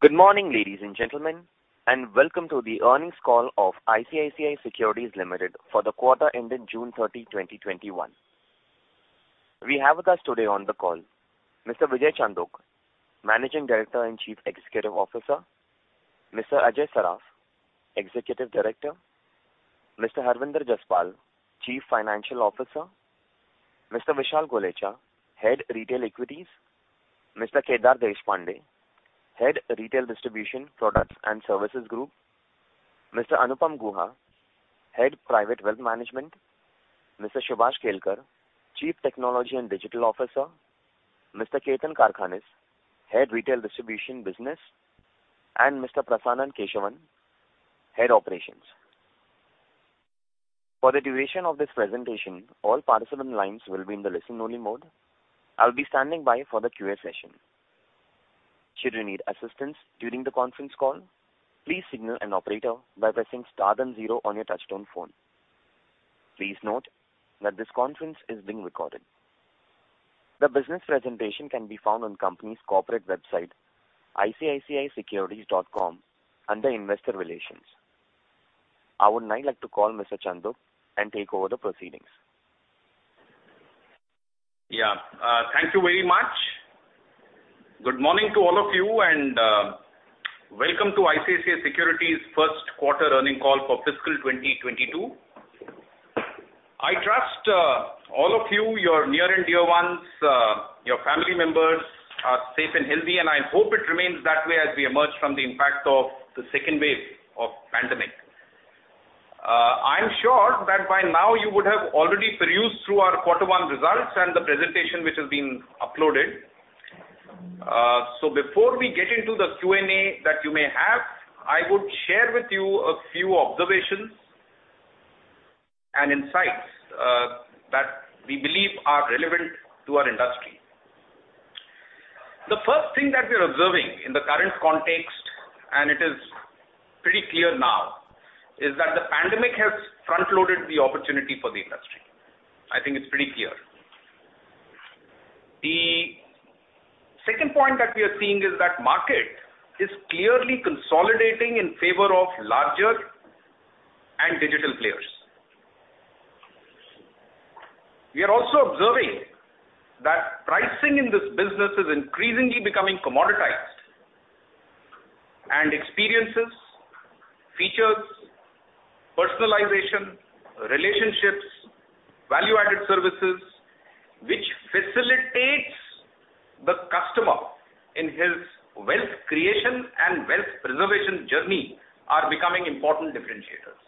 Good morning, ladies and gentlemen, and welcome to the earnings call of ICICI Securities Limited for the quarter ending June 30, 2021. We have with us today on the call Mr. Vijay Chandok, Managing Director and Chief Executive Officer; Mr. Ajay Saraf, Executive Director; Mr. Harvinder Jaspal, Chief Financial Officer; Mr. Vishal Gulechha, Head Retail Equities; Mr. Kedar Deshpande, Head Retail Distribution Products and Services Group; Mr. Anupam Guha, Head Private Wealth Management; Mr. Subhash Kelkar, Chief Technology and Digital Officer; Mr. Ketan Karkhanis, Head Retail Distribution Business; and Mr. Prasannan Keshavan, Head Operations. For the duration of this presentation, all participants' lines will be in listen-only mode. I'll be standing by for the Q&A session. Should you need assistance during the conference call, please signal an operator by pressing star then zero on your touch-tone phone. Please note that this conference is being recorded. The business presentation can be found on company's corporate website, icicisecurities.com, under Investor Relations. I would now like to call Mr. Chandok and take over the proceedings. Yeah. Thank you very much. Good morning to all of you. Welcome to ICICI Securities' first quarter earnings call for fiscal 2022. I trust all of you, your near and dear ones, and your family members are safe and healthy. I hope it remains that way as we emerge from the impact of the second wave of the pandemic. I'm sure that by now you would have already perused our quarter one results and the presentation which has been uploaded. Before we get into the Q&A that you may have, I would like to share with you a few observations and insights that we believe are relevant to our industry. The first thing that we're observing in the current context, and it is pretty clear now, is that the pandemic has front-loaded the opportunity for the industry. I think it's pretty clear. The second point we are seeing is that the market is clearly consolidating in favor of larger and digital players. We are also observing that pricing in this business is increasingly becoming commoditized. Experiences, features, personalization, relationships, and value-added services that facilitate the customer in their wealth creation and wealth preservation journey are becoming important differentiators.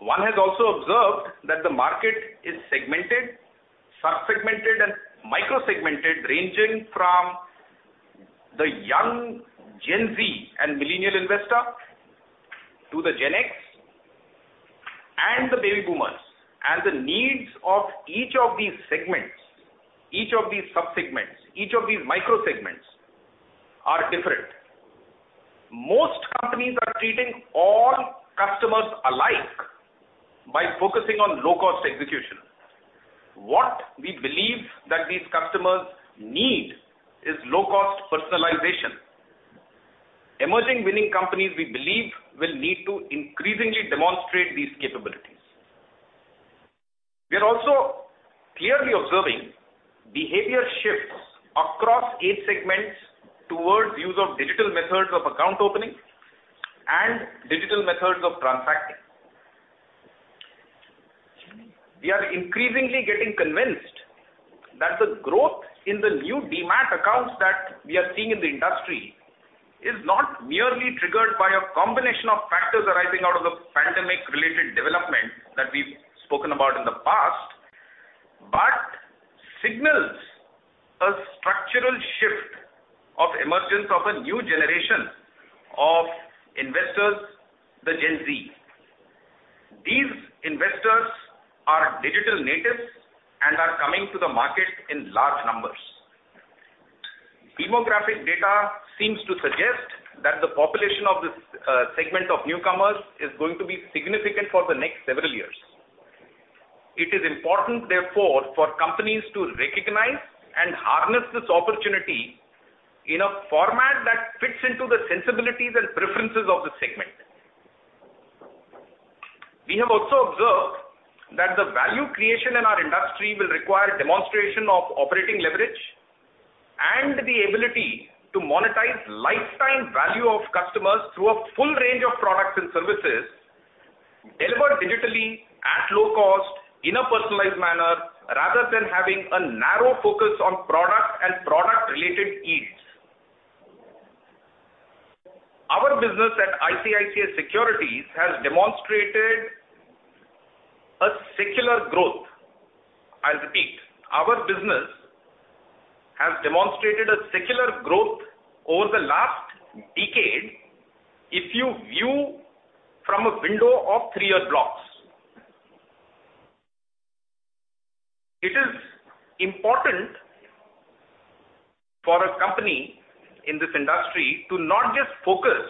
One has also observed that the market is segmented, sub-segmented, and micro-segmented, ranging from the young Gen Z and millennial investor to Gen X and the baby boomers. The needs of each of these segments, sub-segments, and micro-segments are different. Most companies are treating all customers alike by focusing on low-cost execution. What we believe these customers need is low-cost personalization. Emerging winning companies, we believe, will need to increasingly demonstrate these capabilities. We are also clearly observing behavior shifts across age segments towards the use of digital methods of account opening and digital methods of transacting. We are increasingly convinced that the growth in new Demat accounts that we are seeing in the industry is not merely triggered by a combination of factors arising out of pandemic-related developments that we've spoken about in the past, but signals a structural shift: the emergence of a new generation of investors, Gen Z. These investors are digital natives and are coming to the market in large numbers. Demographic data seems to suggest that the population of this segment of newcomers is going to be significant for the next several years. It is important, therefore, for companies to recognize and harness this opportunity in a format that fits the sensibilities and preferences of this segment. We have also observed that value creation in our industry will require a demonstration of operating leverage and the ability to monetize the lifetime value of customers through a full range of products and services delivered digitally at low cost in a personalized manner, rather than having a narrow focus on product and product-related needs. Our business at ICICI Securities has demonstrated secular growth. I'll repeat. Our business has demonstrated secular growth over the last decade if you view it from a window of three-year blocks. It is important for a company in this industry to not just focus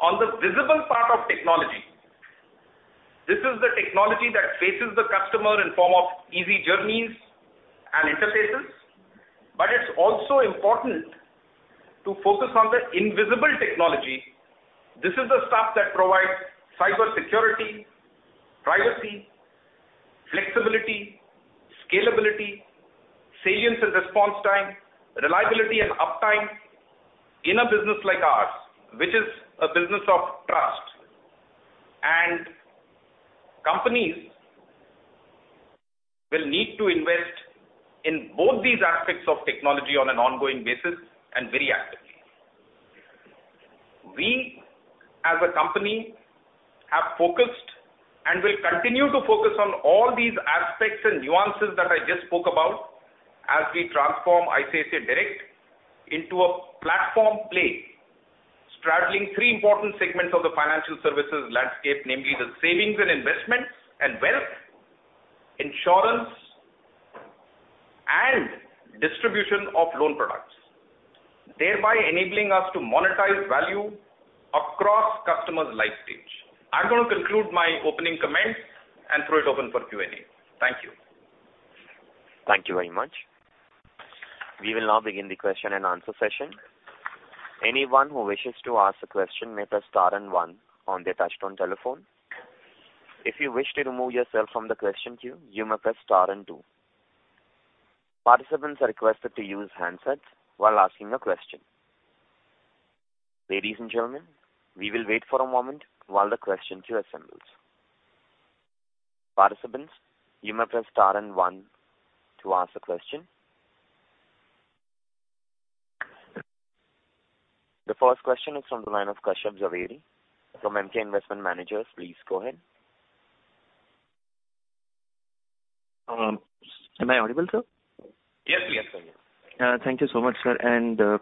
on the visible part of technology. This is the technology that faces the customer in the form of easy journeys and interfaces. It's also important to focus on the invisible technology. This is the stuff that provides cybersecurity, privacy, flexibility, scalability, salience, response time, reliability, and uptime in a business like ours, which is a business of trust. Companies will need to invest in both these aspects of technology on an ongoing and very active basis. We, as a company, have focused and will continue to focus on all these aspects and nuances that I just spoke about as we transform ICICI Direct into a platform play straddling three important segments of the financial services landscape, namely, savings and investments and wealth, insurance, and distribution of loan products, thereby enabling us to monetize value across customers' life stages. I'm going to conclude my opening comments and throw it open for Q&A. Thank you. Thank you very much. The first question is from the line of Kashyap Javeri from Emkay Investment Managers Ltd. Please go ahead. Am I audible, sir? Yes. Thank you so much, sir.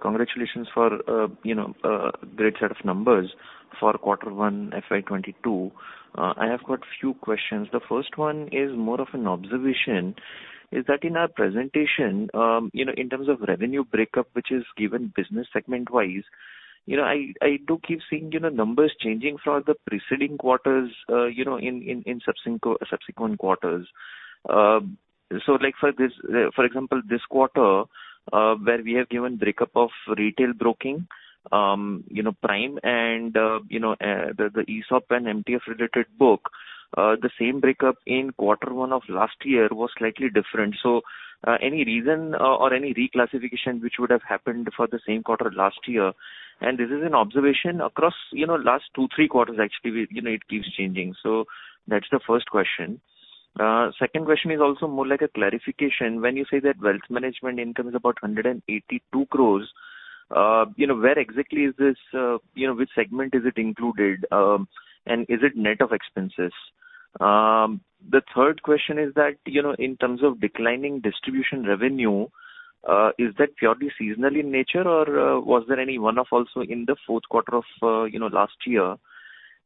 Congratulations on a great set of numbers for Q1 FY 2022. I have a few questions. The first one is more of an observation. In our presentation, regarding the revenue breakup, which is given business segment-wise, I keep seeing numbers changing for the preceding quarters in subsequent quarters. For example, this quarter, we have given a breakup of retail broking, Prime, and the ESOP and MTF-related book. The same breakup in Q1 of last year was slightly different. Is there any reason or any reclassification that would have happened for the same quarter last year? This has been an observation across the last two or three quarters, actually; it keeps changing. That's the first question. The second question is also more like a clarification. When you say that wealth management income is about 182 crore, which segment is it included in? Is it net of expenses? The third question is, in terms of declining distribution revenue, is that purely seasonal in nature, or was there also a one-off in the fourth quarter of last year?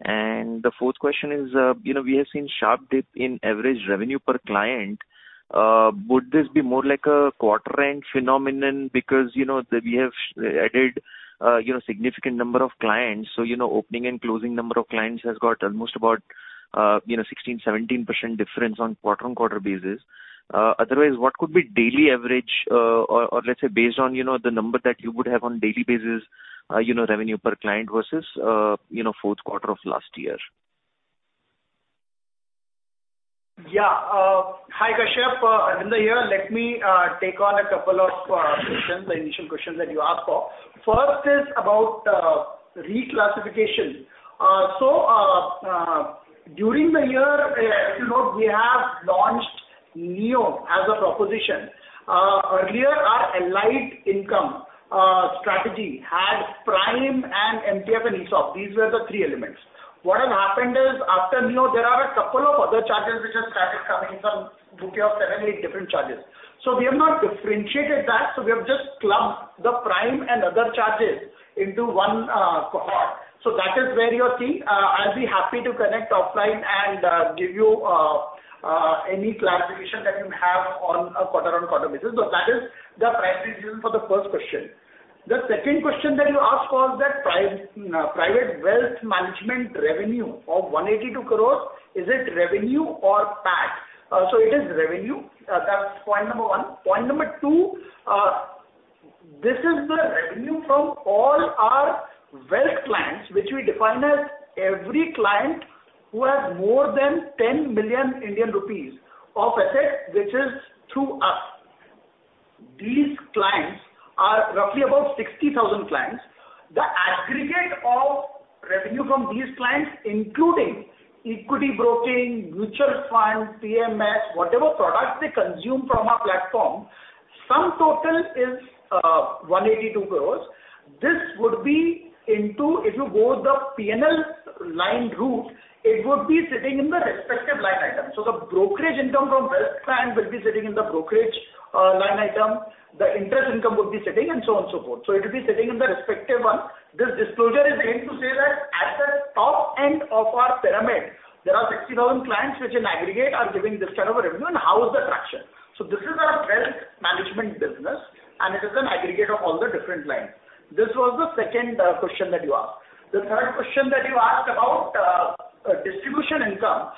The fourth question is, we have seen a sharp dip in average revenue per client. Would this be more like a quarter-end phenomenon because we have added a significant number of clients, so the opening and closing number of clients has about a 16%-17% difference on a quarter-over-quarter basis? Otherwise, what would be the daily average, or let's say, based on the number that you would have on a daily basis, revenue per client versus the fourth quarter of last year? Yeah. Hi, Kashyap. Harvinder Jaspal here. Let me take on a couple of the initial questions that you asked for. First is about reclassification. During the year, we have launched Neo as a proposition. Earlier, our allied income strategy had Prime, MTF, and ESOP. These were the three elements. What has happened is after Neo, there are a couple of other charges which have started coming from a bouquet of seven or eight different charges. We have not differentiated that. We have just clubbed the Prime and other charges into one cohort. That is where you are seeing. I'll be happy to connect offline and give you any clarification that you have on a quarter-over-quarter basis. That is the primary reason for the first question. The second question that you asked was whether private wealth management revenue of 182 crores is revenue or PAT. It is revenue, that's point number 1. Point number 2, this is the revenue from all our wealth clients, which we define as every client who has more than 10 million Indian rupees of assets through us. These clients are roughly about 60,000 clients. The aggregate revenue from these clients, including equity broking, mutual funds, PMS, and whatever products they consume from our platform, totals 182 crores. If you go by the P&L line route, this would be sitting in the respective line item. The brokerage income from wealth clients will be sitting in the brokerage line item, the interest income would be sitting, and so on and so forth. It will be sitting in the respective one. This disclosure is aimed to say that at the top end of our pyramid, there are 60,000 clients which in aggregate are giving this kind of a revenue and how is the traction. This is our wealth management business, and it is an aggregate of all the different lines. This was the second question you asked. Regarding the third question about distribution income,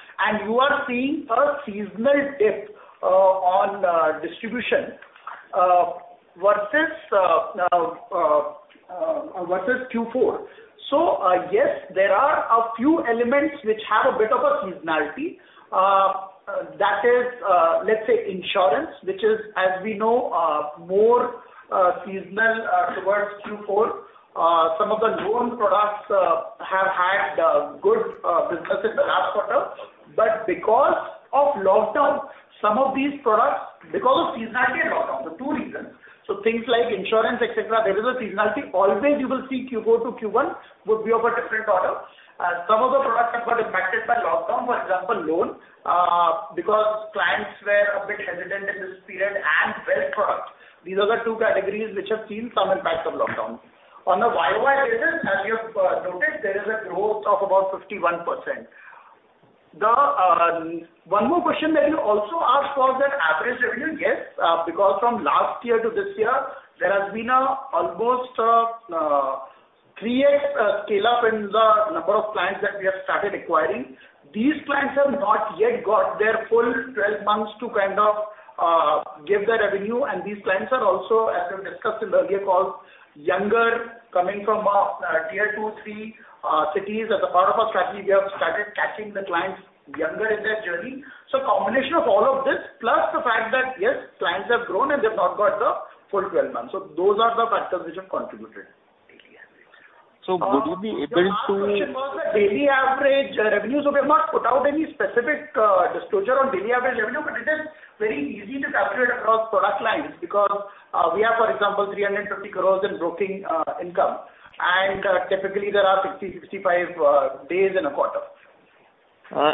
you are seeing a seasonal dip in distribution versus Q4. Yes, there are a few elements that have a bit of seasonality. That is, let's say, insurance, which is, as we know, more seasonal towards Q4. Some of the loan products have had good business in the last quarter due to seasonality and lockdown, for two reasons. Things like insurance, etc., have seasonality. You will always see Q4 to Q1 would be of a different order. Some of the products have been impacted by lockdown, for example, loans, because clients were a bit hesitant in this period, and wealth products. These are the two categories that have seen some impact from the lockdown. On a YOY basis, as you have noted, there is a growth of about 51%. One more question you also asked was about average revenue. Yes, from last year to this year, there has been almost a 3x scale-up in the number of clients that we have started acquiring. These clients have not yet completed their full 12 months to generate revenue, and these clients are also, as we have discussed in earlier calls, younger, coming from Tier 2 and 3 cities. As part of our strategy, we have started acquiring clients earlier in their journey. A combination of all of this, plus the fact that, yes, clients have grown and they haven't completed the full 12 months, are the factors that have contributed. Daily average. So would you be able to- The last question was the daily average revenues. Okay, Mark, without any specific disclosure on daily average revenue, it is very easy to calculate across product lines because we have, for example, 350 crores in broking income. Typically, there are 60, 65 days in a quarter.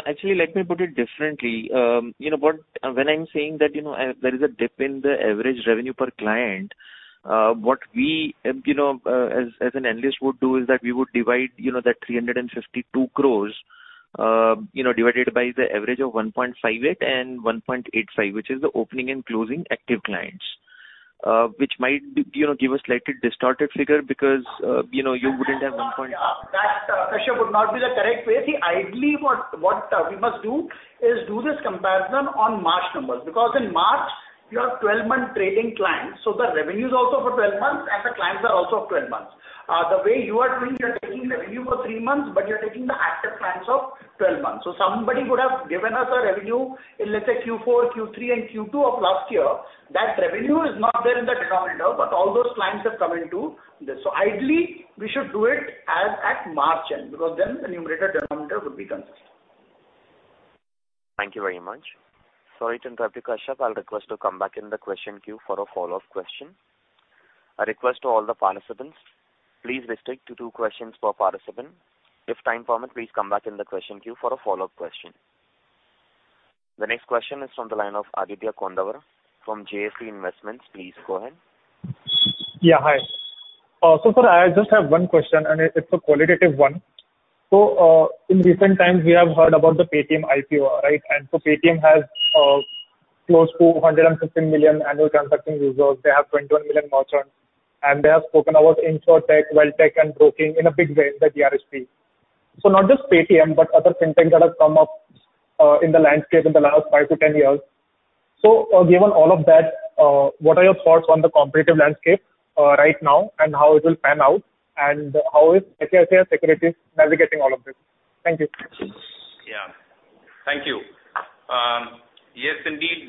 Actually, let me put it differently. When I'm saying that there is a dip in the average revenue per client, what we as an analyst would do is that we would divide that 352 crores, divided by the average of 1.58 and 1.85, which is the opening and closing active clients, which might give a slightly distorted figure. Yeah. That, Kashyap, would not be the correct way. Ideally, what we must do is this comparison on March numbers, because in March, you have 12-month trading clients, so the revenue is also for 12 months and the clients are also for 12 months. The way you are doing it, you're taking revenue for 3 months, but you're taking the active clients of 12 months. Somebody would have given us revenue in, let's say, Q4, Q3, and Q2 of last year. That revenue is not there in the denominator, but all those clients have come into this. Ideally, we should do it as of March end, because then the numerator and denominator would be consistent. Thank you very much. Sorry to interrupt you, Kashyap. I will request to come back in the question queue for a follow-up question. A request to all the participants. Please restrict to two questions per participant. If time permits, please come back in the question queue for a follow-up question. The next question is from the line of Aditya Kondawar from JST Investments. Please go ahead. Yeah, hi. Sir, I just have 1 question, and it's a qualitative one. In recent times, we have heard about the Paytm IPO, right? Paytm has close to 115 million annual transacting users. They have 21 million merchants, and they have spoken about insurtech, wealthtech, and broking in a big way in the DRHP. Not just Paytm, but other fintech that have come up in the landscape in the last 5 to 10 years. Given all of that, what are your thoughts on the competitive landscape right now and how it will pan out, and how is ICICI Securities navigating all of this? Thank you. Yeah. Thank you. Yes, indeed.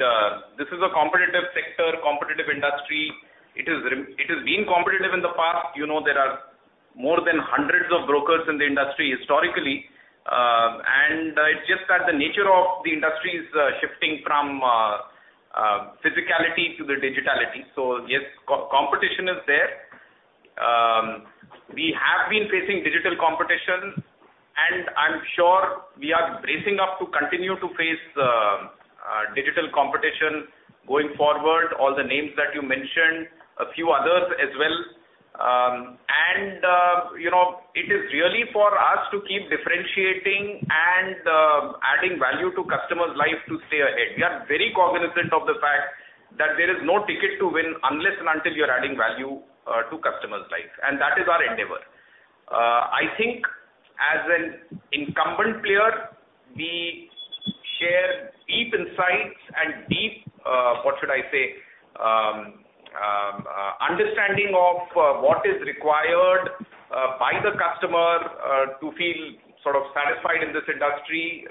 This is a competitive sector, a competitive industry. It has been competitive in the past. There have been more than a hundred brokers in the industry historically. It's just that the nature of the industry is shifting from physicality to digitality. Yes, competition is there. We have been facing digital competition, and I'm sure we are bracing ourselves to continue to face digital competition going forward, all the names that you mentioned, and a few others as well. It is really for us to keep differentiating and adding value to customers' lives to stay ahead. We are very cognizant of the fact that there is no ticket to win unless and until you're adding value to customers' lives, and that is our endeavor. I think as an incumbent player, we share deep insights and a deep, what should I say, understanding of what is required by the customer to feel satisfied in this industry.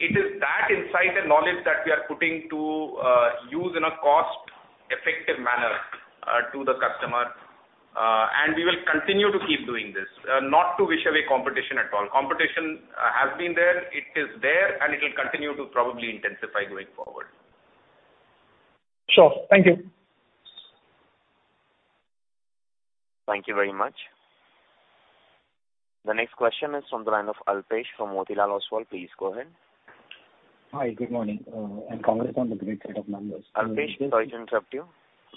It is that insight and knowledge that we are putting to use in a cost-effective manner for the customer. We will continue to keep doing this, not to wish away competition at all. Competition has been there, it is there, and it will continue to probably intensify going forward. Sure. Thank you. Thank you very much. The next question is from the line of Alpesh from Motilal Oswal. Please go ahead. Hi, good morning. Congrats on the great set of numbers. Alpesh, sorry to interrupt you.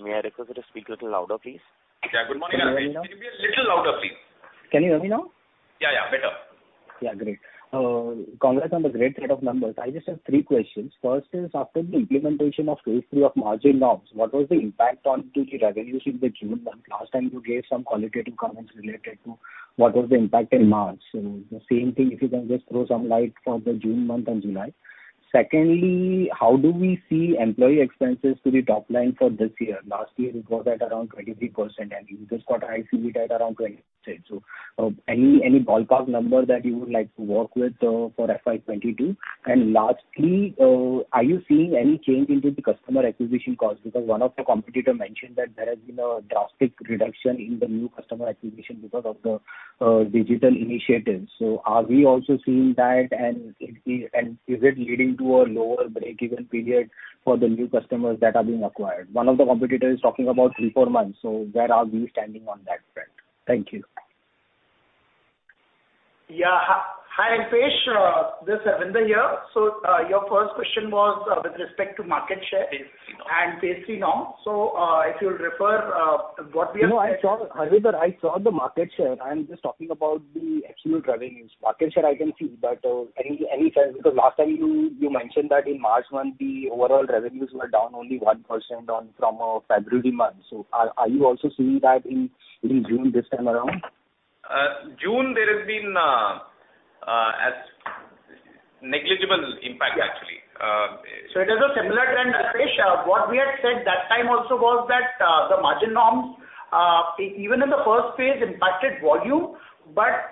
May I request you to speak little louder, please? Good morning, Alpesh, over to you. Can you hear me now? Yeah, better. Yeah, great. Congrats on the great set of numbers. I just have three questions. First, after the implementation of Phase 3 of margin norms, what was the impact on revenues in June? Last time you gave some qualitative comments related to the impact in March. The same thing, if you can just shed some light for June and July. Secondly, how do we see employee expenses relative to the top line for this year? Last year it was around 23%, and you just got ICB at around 20%. Any ballpark number that you would like to work with for FY 2022? Lastly, are you seeing any change in the customer acquisition cost? One of the competitors mentioned that there has been a drastic reduction in new customer acquisition because of the digital initiatives. Are we also seeing that and is it leading to a lower break-even period for the new customers that are being acquired? One of the competitors is talking about 3, 4 months. Where are we standing on that front? Thank you. Yeah. Hi, Alpesh. This is Harvinder here. Your first question was with respect to market share. phase III norm. phase C norm. If you refer what we have said- I saw Harvinder Jaspal, I saw the market share. I'm just talking about the absolute revenues. Market share I can see, but any change? Last time you mentioned that in March, the overall revenues were down only 1% from February. Are you also seeing that in June this time around? June, there has been negligible impact actually. Yeah. It is a similar trend, Alpesh. What we had said that time also was that the margin norms even in the first phase impacted volume but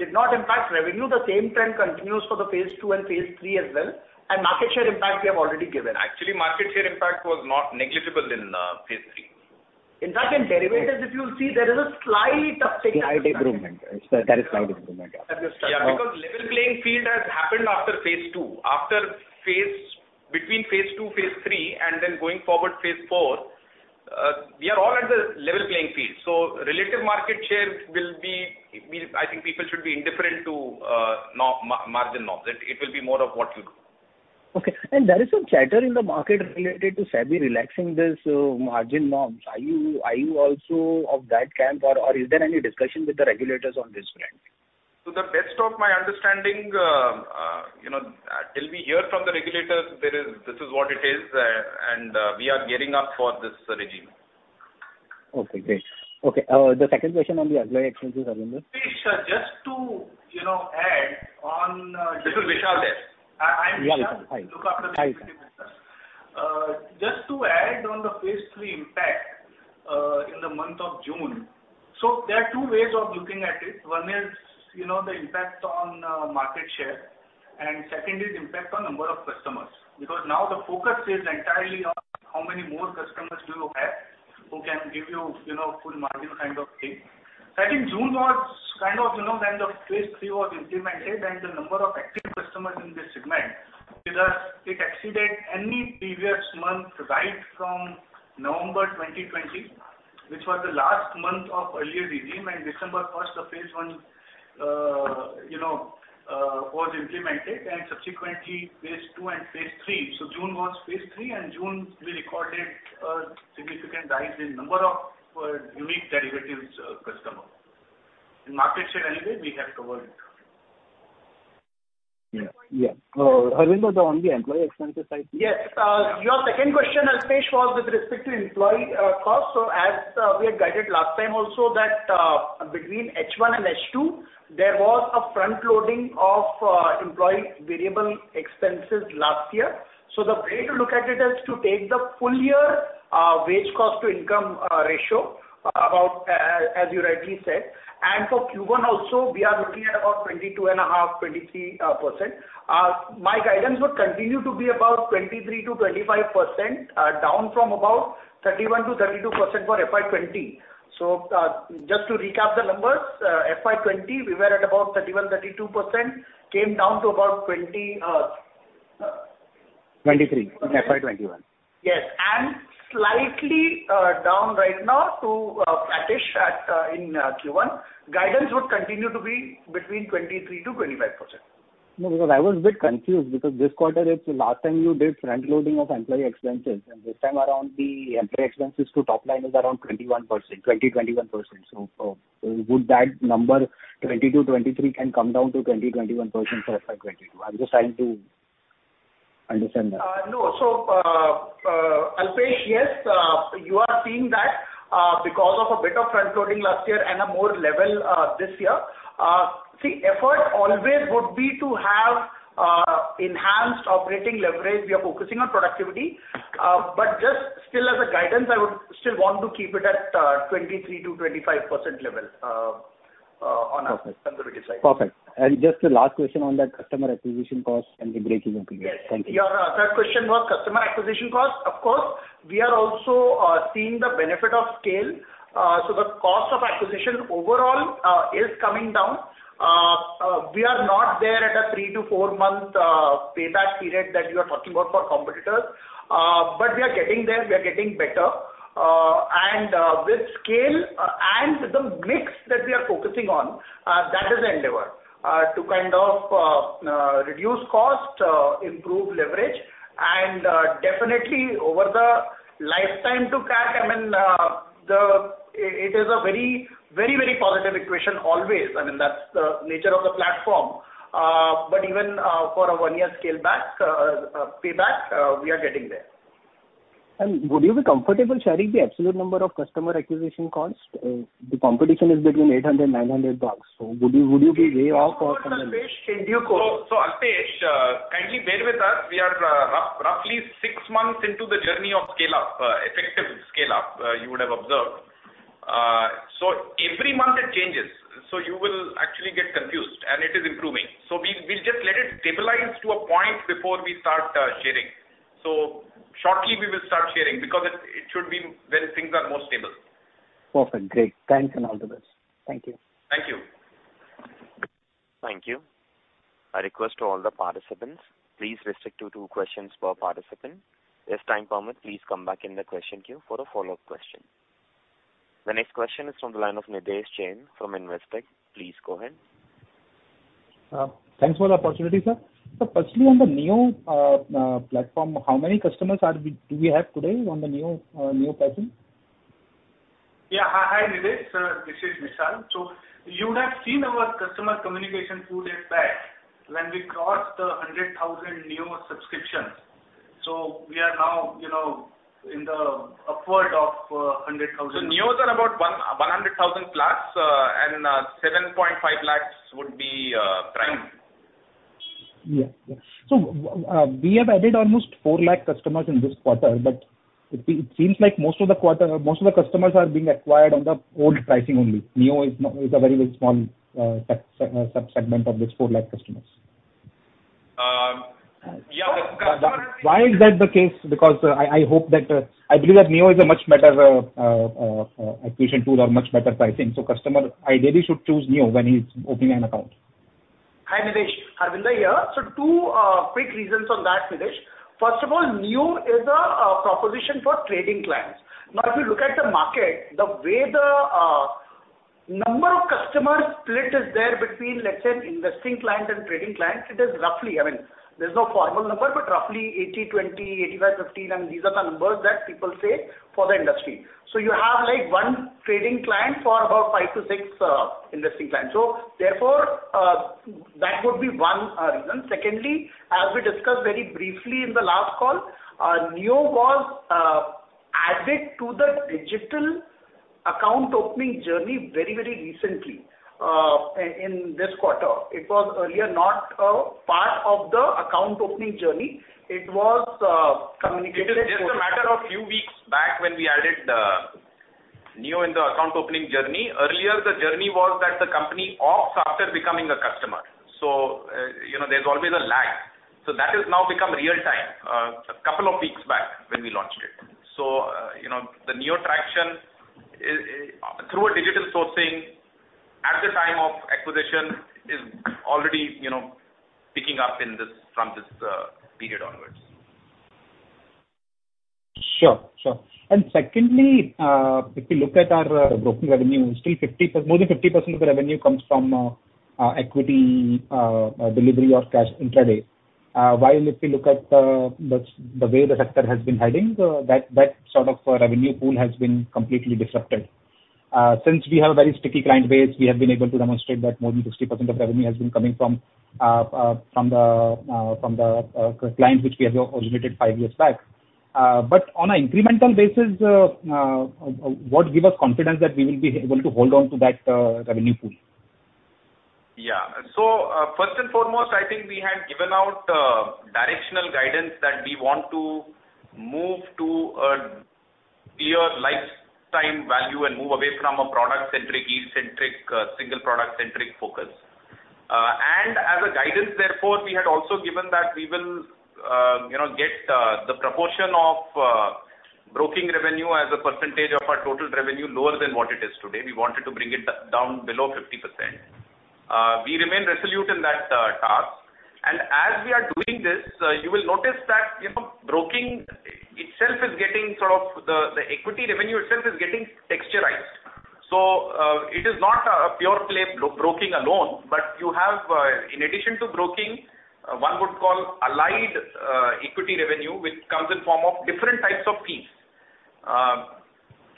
did not impact revenue. The same trend continues for the phase 2 and phase 3 as well, and market share impact we have already given. Actually, market share impact was not negligible in phase three. In derivatives, if you'll see, there is a slight uptick. Slight improvement. There is slight improvement, yeah. Understood. Yeah. A level playing field has happened after Phase 2. Between Phase 2, Phase 3, and then going forward to Phase 4, we are all on a level playing field. Relative market share will be... I think people should be indifferent to margin norms. It will be more about what you do. Okay. There is some chatter in the market related to SEBI relaxing these margin norms. Are you also of that camp, or is there any discussion with the regulators on this front? To the best of my understanding, till we hear from the regulators, this is what it is and we are gearing up for this regime. Okay, great. The second question on the employee expenses, Arvinder. Alpesh, just to add on. This is Vishal here. I'm Vishal. Yeah, Vishal. Hi. Look after the institutional customers. There are two ways of looking at it. One is the impact on market share, and two is the impact on the number of customers. Because now the focus is entirely on how many more customers you have who can give you a full margin kind of thing. I think June was when Phase 3 was implemented, and the number of active customers in this segment exceeded any previous month right from November 2020, which was the last month of the earlier regime. December 1st of Phase 1 was implemented, subsequently Phase 2 and Phase 3. June was Phase 3, and in June, we recorded a significant rise in the number of unique derivatives customers. We have covered market share anyway. Yeah. Harvinder Jaspal, on the employee expenses side please. Yes. Your second question, Alpesh, was with respect to employee cost. As we had guided last time, between H1 and H2 there was a front-loading of employee variable expenses last year. The way to look at it is to take the full-year wage cost-to-income ratio, as you rightly said. For Q1 also, we are looking at about 22.5%-23%. My guidance would continue to be about 23%-25%, down from about 31%-32% for FY 2020. Just to recap the numbers, FY 2020 we were at about 31%-32%. 23 in FY 2021. Yes. Slightly down right now to, Pratik in Q1. Guidance would continue to be between 23%-25%. No, because I was a bit confused. Last quarter, you did front-loading of employee expenses, and this time around, the employee expenses to top line is around 20-21%. Could that number, 22-23%, come down to 20-21% for FY 2022? I'm just trying to understand that. No. Alpesh, yes. You are seeing that because of a bit of front-loading last year and a more level this year. Effort always would be to have enhanced operating leverage. We are focusing on productivity. Just still as a guidance, I would still want to keep it at 23%-25% level on a consolidated side. Perfect. Just the last question on that customer acquisition cost and the breakeven period. Thank you. Yes. Your third question was customer acquisition cost. Of course, we are also seeing the benefit of scale. The cost of acquisition overall is coming down. We are not yet at a 3 to 4-month payback period that you are talking about for competitors. We are getting there; we are getting better. With scale and the mix that we are focusing on, that is the endeavor: to kind of reduce cost, improve leverage, and definitely over the lifetime to CAC, I mean, it is always a very positive equation. That's the nature of the platform. Even for a 1-year payback, we are getting there. Would you be comfortable sharing the absolute number of customer acquisition costs? The competition is between INR 800-INR 900. Would you be way off? Alpesh, kindly bear with us. We are roughly six months into the journey of effective scale-up, as you would have observed. Every month it changes. You might actually get confused, and it is improving. We'll just let it stabilize to a point before we start sharing. Shortly, we will start sharing because it should be when things are more stable. Perfect. Great. Thanks, and all the best. Thank you. Thank you. Thank you. A request to all the participants. Please restrict to 2 questions per participant. If time permits, please come back in the question queue for a follow-up question. The next question is from the line of Nidhesh Jain from Investec. Please go ahead. Thanks for the opportunity, sir. Firstly, on the Neo platform, how many customers do we have today on the Neo platform? Yeah. Hi, Nidhesh. This is Vishal. You would have seen our customer communication two days back when we crossed the 100,000 Neo subscriptions. We are now in the upward of 100,000. Neo is at about 100,000+, and 7.5 lakhs would be Prime. We have added almost 4 lakh customers in this quarter. It seems like most of the customers are being acquired on the old pricing only. Neo is a very, very small sub-segment of these 4 lakh customers. Yeah. Why is that the case? I believe that Neo is a much better acquisition tool or much better pricing, so customer ideally should choose Neo when he's opening an account. Hi, Nidhesh. Harvinder here. Two quick reasons for that, Nidhesh. First of all, Neo is a proposition for trading clients. Now, if you look at the market, the way the number of customers is split between, let's say, investing clients and trading clients, it is roughly—there's no formal number, but roughly 80/20, 85/15—and these are the numbers that people cite for the industry. You have one trading client for about 5-6 investing clients. Therefore, that would be one reason. Secondly, as we discussed very briefly in the last call, Neo was added to the digital account opening journey very recently, this quarter. It was earlier not a part of the account opening journey. It was communicated— It is just a matter of few weeks back when we added Neo in the account opening journey. Earlier, the journey was that the company offers after becoming a customer. There's always a lag. That has now become real time, a couple of weeks back when we launched it. The Neo traction through a digital sourcing at the time of acquisition is already picking up from this period onwards. Sure. Secondly, if we look at our broking revenue, more than 50% of the revenue comes from equity delivery or cash intraday. While if you look at the way the sector has been heading, that sort of revenue pool has been completely disrupted. Since we have a very sticky client base, we have been able to demonstrate that more than 60% of revenue has been coming from clients whom we onboarded five years back. On an incremental basis, what gives us confidence that we will be able to hold on to that revenue pool? First and foremost, I think we had given out directional guidance that we want to move to a clear lifetime value and move away from a product-centric, single product-centric focus. As a guidance, therefore, we had also given that we will get the proportion of broking revenue as a percentage of our total revenue lower than what it is today. We wanted to bring it down below 50%. We remain resolute in that task. As we are doing this, you will notice that the equity revenue itself is getting texturized. It is not a pure play broking alone. You have, in addition to broking, what one would call allied equity revenue, which comes in the form of different types of fees.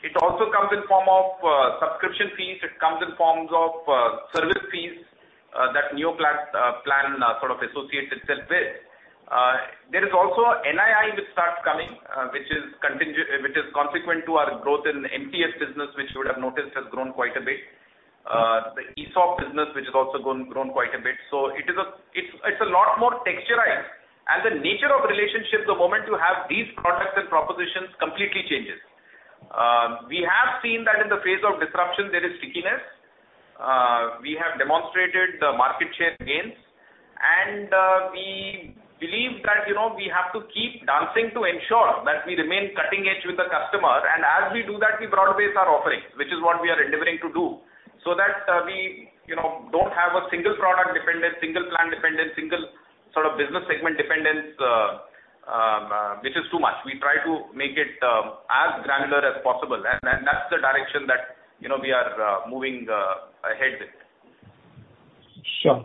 It also comes in the form of subscription fees. It comes in the form of service fees that the Neo plan sort of associates itself with. There is also NII, which starts coming, and which is a consequence of our growth in the MTF business, which you would have noticed has grown quite a bit. The ESOP business has also grown quite a bit. It's a lot more textured. The nature of relationships, the moment you have these products and propositions, completely changes. We have seen that in the face of disruption, there is stickiness. We have demonstrated the market share gains, and we believe that we have to keep dancing to ensure that we remain cutting edge with the customer. As we do that, we broad-base our offerings, which is what we are endeavoring to do, so that we don't have a single product-dependent, single plan-dependent, single sort of business segment dependence, which is too much. We try to make it as granular as possible, and that's the direction that we are moving ahead with. Sure.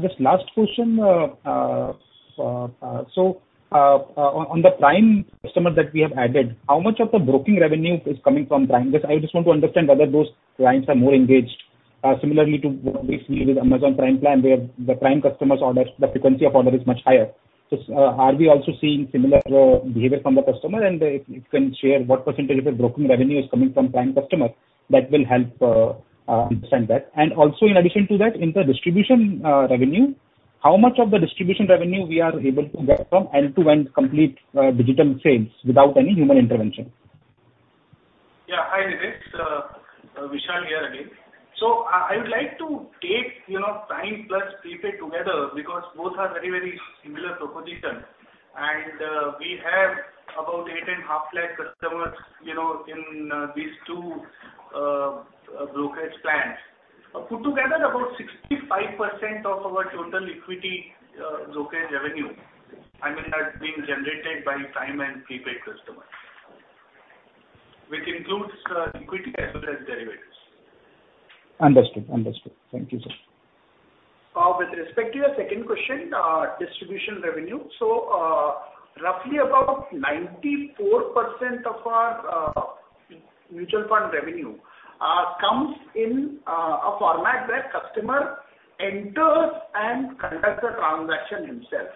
Just one last question. On the Prime customers that we have added, how much of the broking revenue is coming from Prime? I just want to understand whether those clients are more engaged, similar to what we see with Amazon Prime, where the Prime customers' order frequency is much higher. Are we also seeing similar behavior from our customers? If you can share what percentage of the broking revenue is coming from Prime customers, that will help us understand that. Also, in addition to that, regarding the distribution revenue, how much of it are we able to get from end-to-end complete digital sales without any human intervention? Yeah. Hi, Nidhesh. Vishal Gulechha here again. I would like to take Prime Plus and Prepaid together because both are very similar propositions, and we have about 8.5 lakh customers in these two brokerage plans. Put together, about 65% of our total equity brokerage revenue is being generated by Prime and Prepaid customers, which includes equity as well as derivatives. Understood. Thank you, sir. Regarding your second question about distribution revenue, approximately 94% of our mutual fund revenue comes from customers who independently initiate and complete transactions. This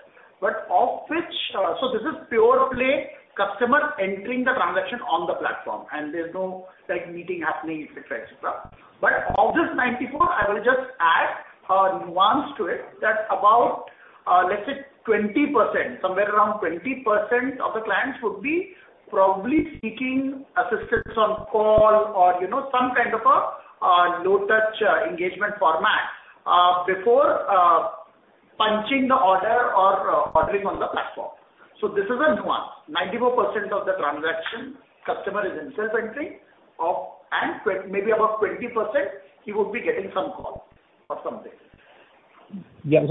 involves customers directly entering transactions on the platform without any meetings or similar interactions. Of this 94%, I would add a nuance: about 20% of these clients might seek assistance via call or some form of low-touch engagement before placing their order on the platform. This is a subtle distinction. Essentially, 94% of transactions are self-initiated by the customer, with roughly 20% of those potentially involving some form of call or assistance. Yeah.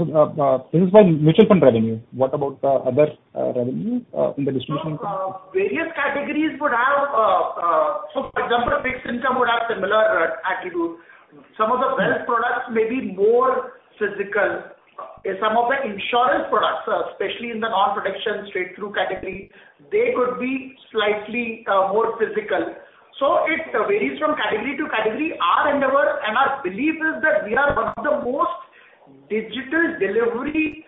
This is for mutual fund revenue. What about other revenue in the distribution? Various categories would have similar attributes. For example, fixed income would have similar attributes. Some of the wealth products may be more physical. Some of the insurance products, especially in the non-protection straight-through category, could be slightly more physical. It varies from category to category. Our endeavor and our belief is that we are one of the most digital delivery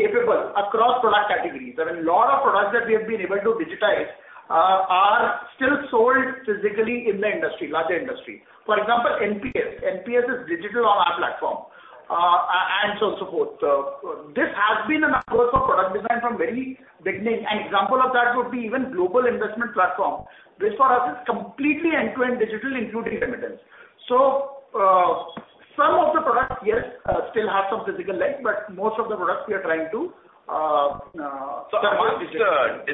capable across product categories. A lot of products that we have been able to digitize are still sold physically in the larger industry. For example, NPS is digital on our platform, and so forth. This has been an approach for product design from the very beginning. An example of that would be even a global investment platform, which for us is completely end-to-end digital, including remittance. Some of the products, yes, still have some physical leg. Amongst the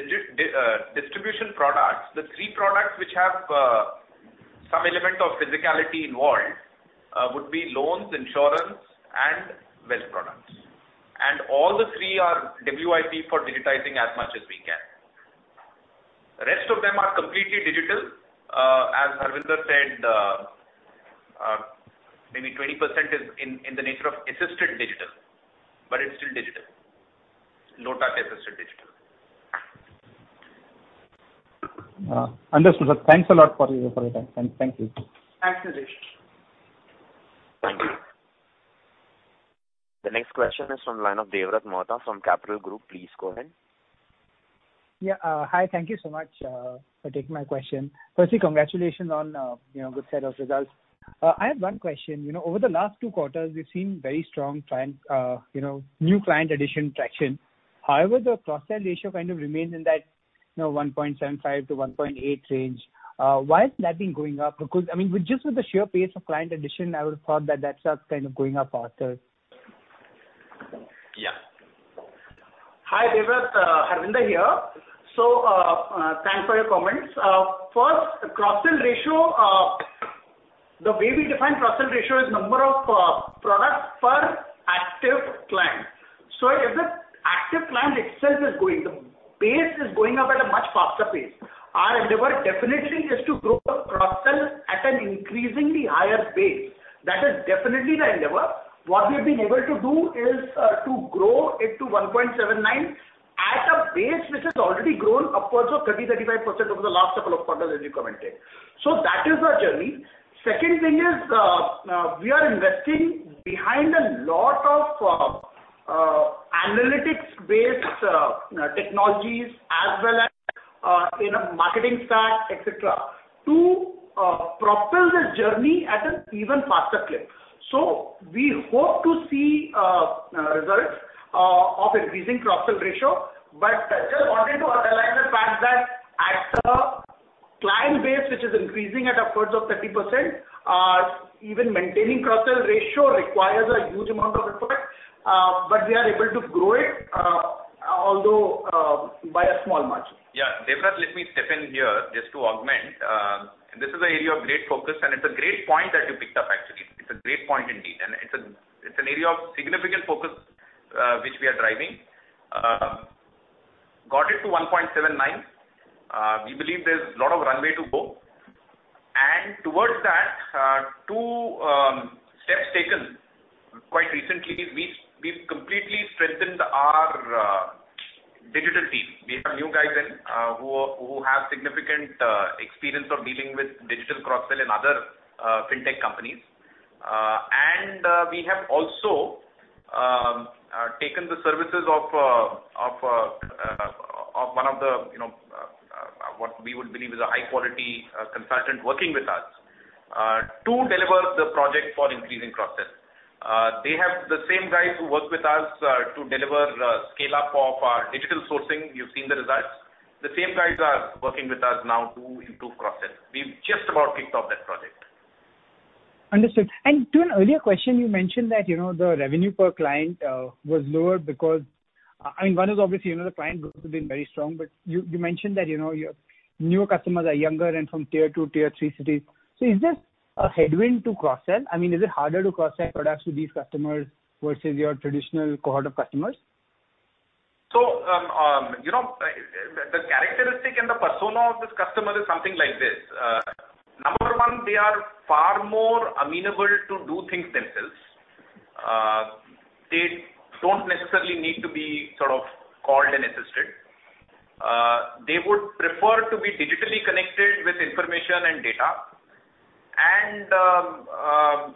distribution products, the three products which have some element of physicality involved would be loans, insurance, and wealth products. All the three are WIP for digitizing as much as we can. Rest of them are completely digital. As Harvinder said, maybe 20% is in the nature of assisted digital, but it's still digital. Low-touch assisted digital. Understood, sir. Thanks a lot for your time. Thank you. Thanks, Nidhesh. Thank you. The next question is from line of Devvrat Mohta from Capital Group. Please go ahead. Yeah. Hi, thank you so much for taking my question. Firstly, congratulations on a good set of results. I have 1 question. Over the last 2 quarters, we've seen very strong new client addition traction. However, the cross-sell ratio kind of remains in that 1.75-1.8 range. Why is that not going up? Because, just with the sheer pace of client addition, I would've thought that that stuff kind of going up faster. Yeah. Hi, Devvrat. Harvinder here. Thanks for your comments. First, the cross-sell ratio. The way we define the cross-sell ratio is the number of products per active client. If the active client itself is growing, the pace is going up at a much faster rate. Our endeavor definitely is to grow cross-sell at an increasingly higher pace. That is definitely the endeavor. What we've been able to do is to grow it to 1.79 at a pace which has already grown upwards of 30%-35% over the last couple of quarters, as you commented. That is our journey. The second thing is, we are investing in a lot of analytics-based technologies, as well as marketing stack, et cetera, to propel the journey at an even faster clip. We hope to see results of increasing cross-sell ratio, but just wanted to underline the fact that at a client base which is increasing at upwards of 30%, even maintaining cross-sell ratio requires a huge amount of effort, but we are able to grow it, although by a small margin. Yeah. Devvrat, let me step in here just to augment. This is an area of great focus, and it's a great point that you picked up, actually. It's a great point indeed, and it's an area of significant focus which we are driving. We got it to 1.79. We believe there's a lot of runway to go. Towards that, two steps have been taken quite recently. We've completely strengthened our digital team. We have new guys in who have significant experience dealing with digital cross-sell and other fintech companies. We have also enlisted the services of one of what we believe is a high-quality consultant working with us to deliver the project for increasing cross-sell. They are the same guys who worked with us to deliver the scale-up of our digital sourcing. You've seen the results. The same guys are working with us now to improve cross-sell. We've just about kicked off that project. Understood. To an earlier question, you mentioned that the revenue per client was lower because, one is obviously, the client growth has been very strong, but you mentioned that your newer customers are younger and from tier 2, tier 3 cities. Is this a headwind to cross-sell? Is it harder to cross-sell products to these customers versus your traditional cohort of customers? The characteristics and persona of this customer are as follows: First, they are far more amenable to doing things themselves. They don't necessarily need to be called and assisted. They would prefer to be digitally connected with information and data, and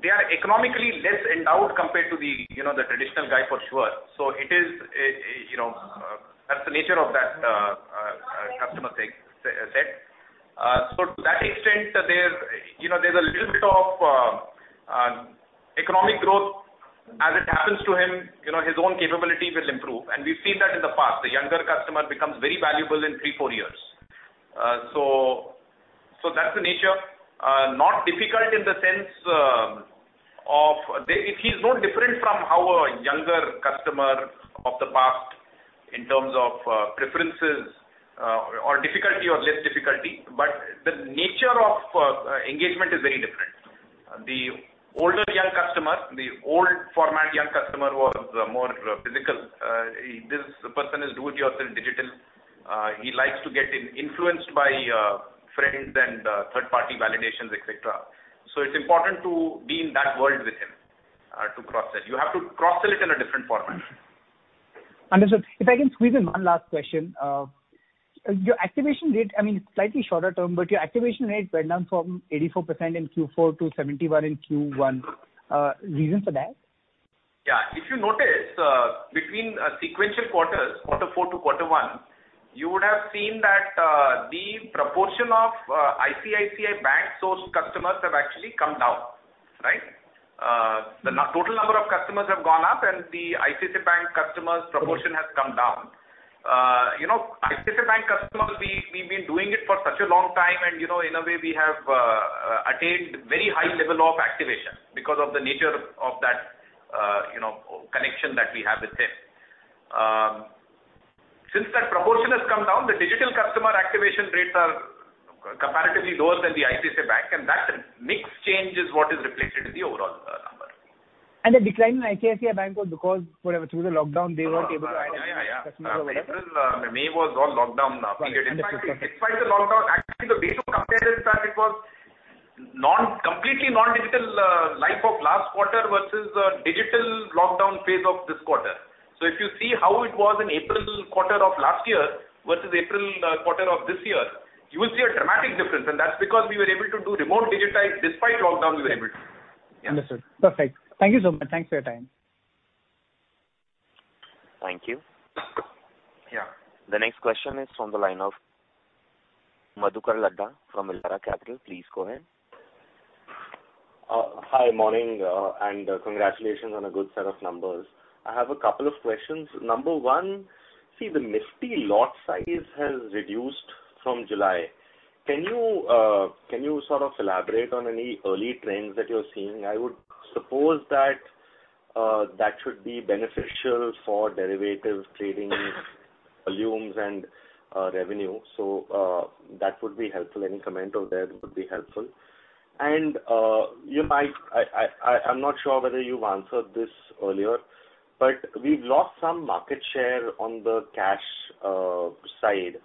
they are economically less endowed compared to the traditional customer. That's the nature of that customer set. To that extent, there's a little bit of economic growth. As it happens to him, his own capability will improve. We've seen that in the past. The younger customer becomes very valuable in three or four years. That's the nature. Not difficult in the sense that he's no different from our younger customer of the past in terms of preferences, difficulty, or lack thereof. The nature of engagement is very different. The older young customer, the old format young customer was more physical. This person is do-it-yourself digital. He likes to get influenced by friends and third-party validations, et cetera. It's important to be in that world with him to cross-sell. You have to cross-sell it in a different format. Understood. If I can squeeze in one last question. Your activation rate, slightly shorter term, but your activation rate went down from 84% in Q4 to 71% in Q1. Reasons for that? Yeah. If you notice between sequential quarters, quarter four to quarter one, you would have seen that the proportion of ICICI Bank-sourced customers has actually come down. Right? The total number of customers has gone up, and the ICICI Bank customers' proportion has come down. ICICI Bank customers, we've been doing it for such a long time, and in a way, we have attained a very high level of activation because of the nature of that connection that we have with them. Since that proportion has come down, the digital customer activation rates are comparatively lower than the ICICI Bank, and that mix change is what is reflected in the overall number. The decline in ICICI Bank was because whatever, through the lockdown they weren't able to-. Yeah. April, May was all lockdown period. Understood. In fact, despite the lockdown, the way to compare is that it was a completely non-digital life last quarter versus the digital lockdown phase this quarter. If you compare April of last year to April of this year, you will see a dramatic difference, and that's because we were able to digitize remotely. Despite the lockdown, we were able to do so. Understood. Perfect. Thank you so much. Thanks for your time. Thank you. Yeah. The next question is from the line of Madhukar Ladha from Elara Capital. Please go ahead. Hi, good morning. Congratulations on a good set of numbers. I have a couple of questions. Number 1: The Nifty lot size has been reduced since July. Can you elaborate on any early trends that you're seeing? I would suppose that should be beneficial for derivatives trading volumes and revenue. Any comment on that would be helpful. I'm not sure whether you've answered this earlier, but we've lost some market share on the cash side.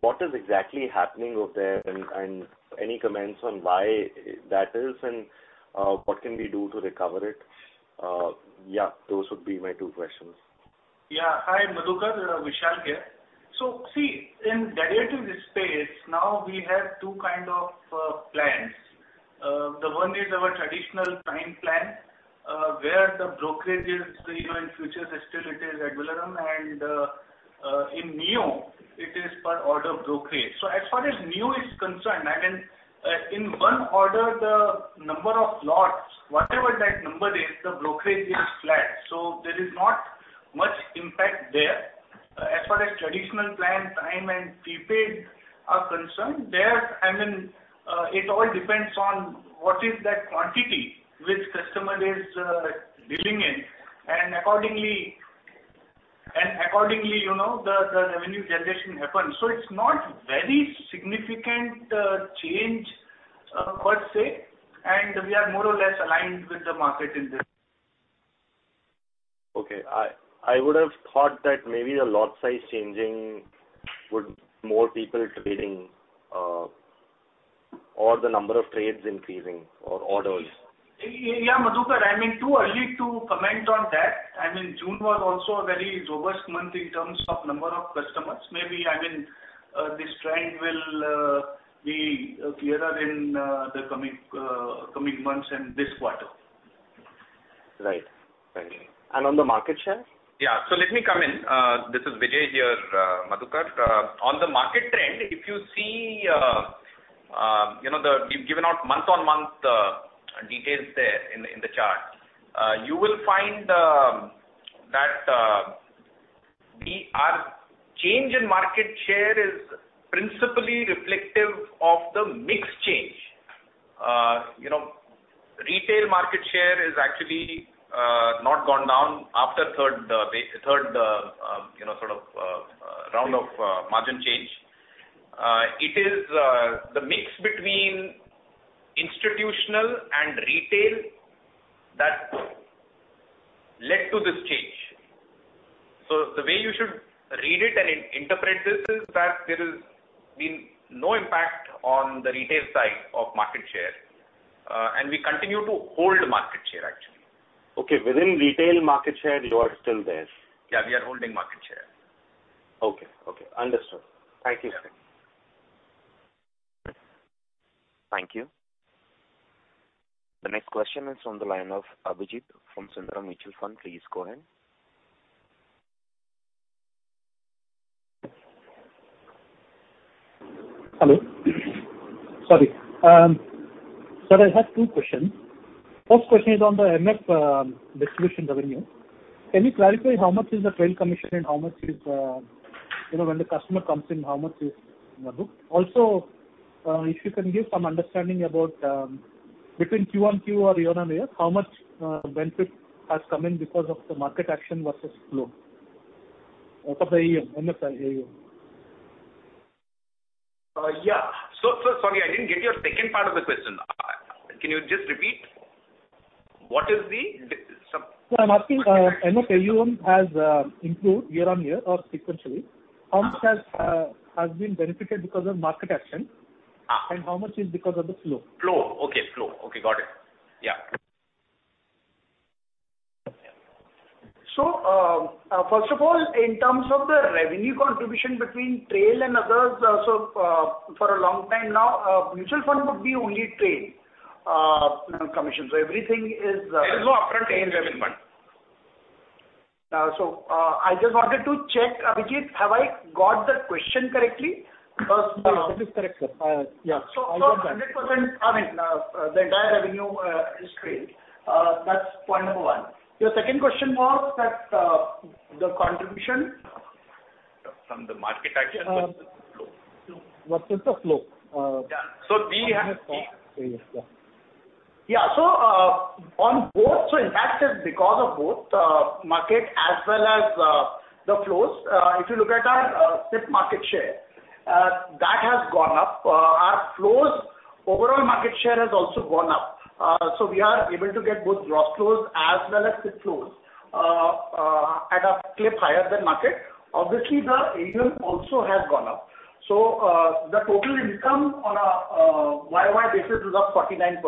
What exactly is happening there, and any comments on why that is and what we can do to recover it? Those would be my two questions. Hi, Madhukar. Vishal here. See, in the derivatives space, we now have two kinds of plans. The first is our traditional time plan, where the brokerage in futures is still regular, and in Neo, it is per-order brokerage. As far as Neo is concerned, in one order, regardless of the number of lots, the brokerage is flat, so there isn't much impact there. As far as traditional time and prepaid plans are concerned, it all depends on the quantity the customer is dealing in, and revenue generation happens accordingly. It's not a very significant change per se, and we are more or less aligned with the market in this. Okay. I would have thought that maybe the lot size changing would more people trading or the number of trades increasing or orders. Yeah, Madhukar, too early to comment on that. June was also a very robust month in terms of number of customers. Maybe this trend will be clearer in the coming months and this quarter. Right. Thank you. On the market share? Let me come in. This is Vijay here, Madhukar. Regarding the market trend, if you see, we've provided month-on-month details in the chart. You will find that our change in market share is principally reflective of the mix change. Retail market share has actually not gone down after the third round of margin changes. It is the mix between institutional and retail that led to this change. The way you should read and interpret this is that there has been no impact on the retail side of market share, and we continue to hold market share, actually. Okay. Within retail market share, you are still there. Yeah, we are holding market share. Okay. Understood. Thank you, sir. Thank you. The next question is from the line of Abhijeet from Sundaram Mutual Fund. Please go ahead. Hello. Sorry, sir, I have two questions. The first question is on the MF distribution revenue. Can you clarify how much the trail commission is and when the customer comes in, how much is in the book? Also, if you can give some understanding about the quarter-on-quarter or year-on-year benefit that has come in due to market action versus the flow of the AUM, MF AUM. Yeah. Sorry, I didn't get your second part of the question. Can you just repeat? No, I'm asking MF AUM has improved year-on-year or sequentially, how much has been benefited because of market action and how much is because of the flow? Flow. Okay, got it. Yeah. First of all, in terms of the revenue contribution between trail and others, for a long time now mutual fund would be only trail commission. There is no upfront in mutual fund. I just wanted to check, Abhijeet, have I got the question correctly first? That is correct, sir. Yeah. 100%, I mean, the entire revenue is trail. That's point number 1. Your second question was that the contribution- From the market action versus flow. Versus the flow. Yeah. Yes. The impact is due to both market and flows. If you look at our SIP market share, that has gone up. Our overall market share has also gone up. We are able to get both gross flows and SIP flows at a clip higher than the market. Obviously, the AUM has also gone up. The total income on a YOY basis is up 39%.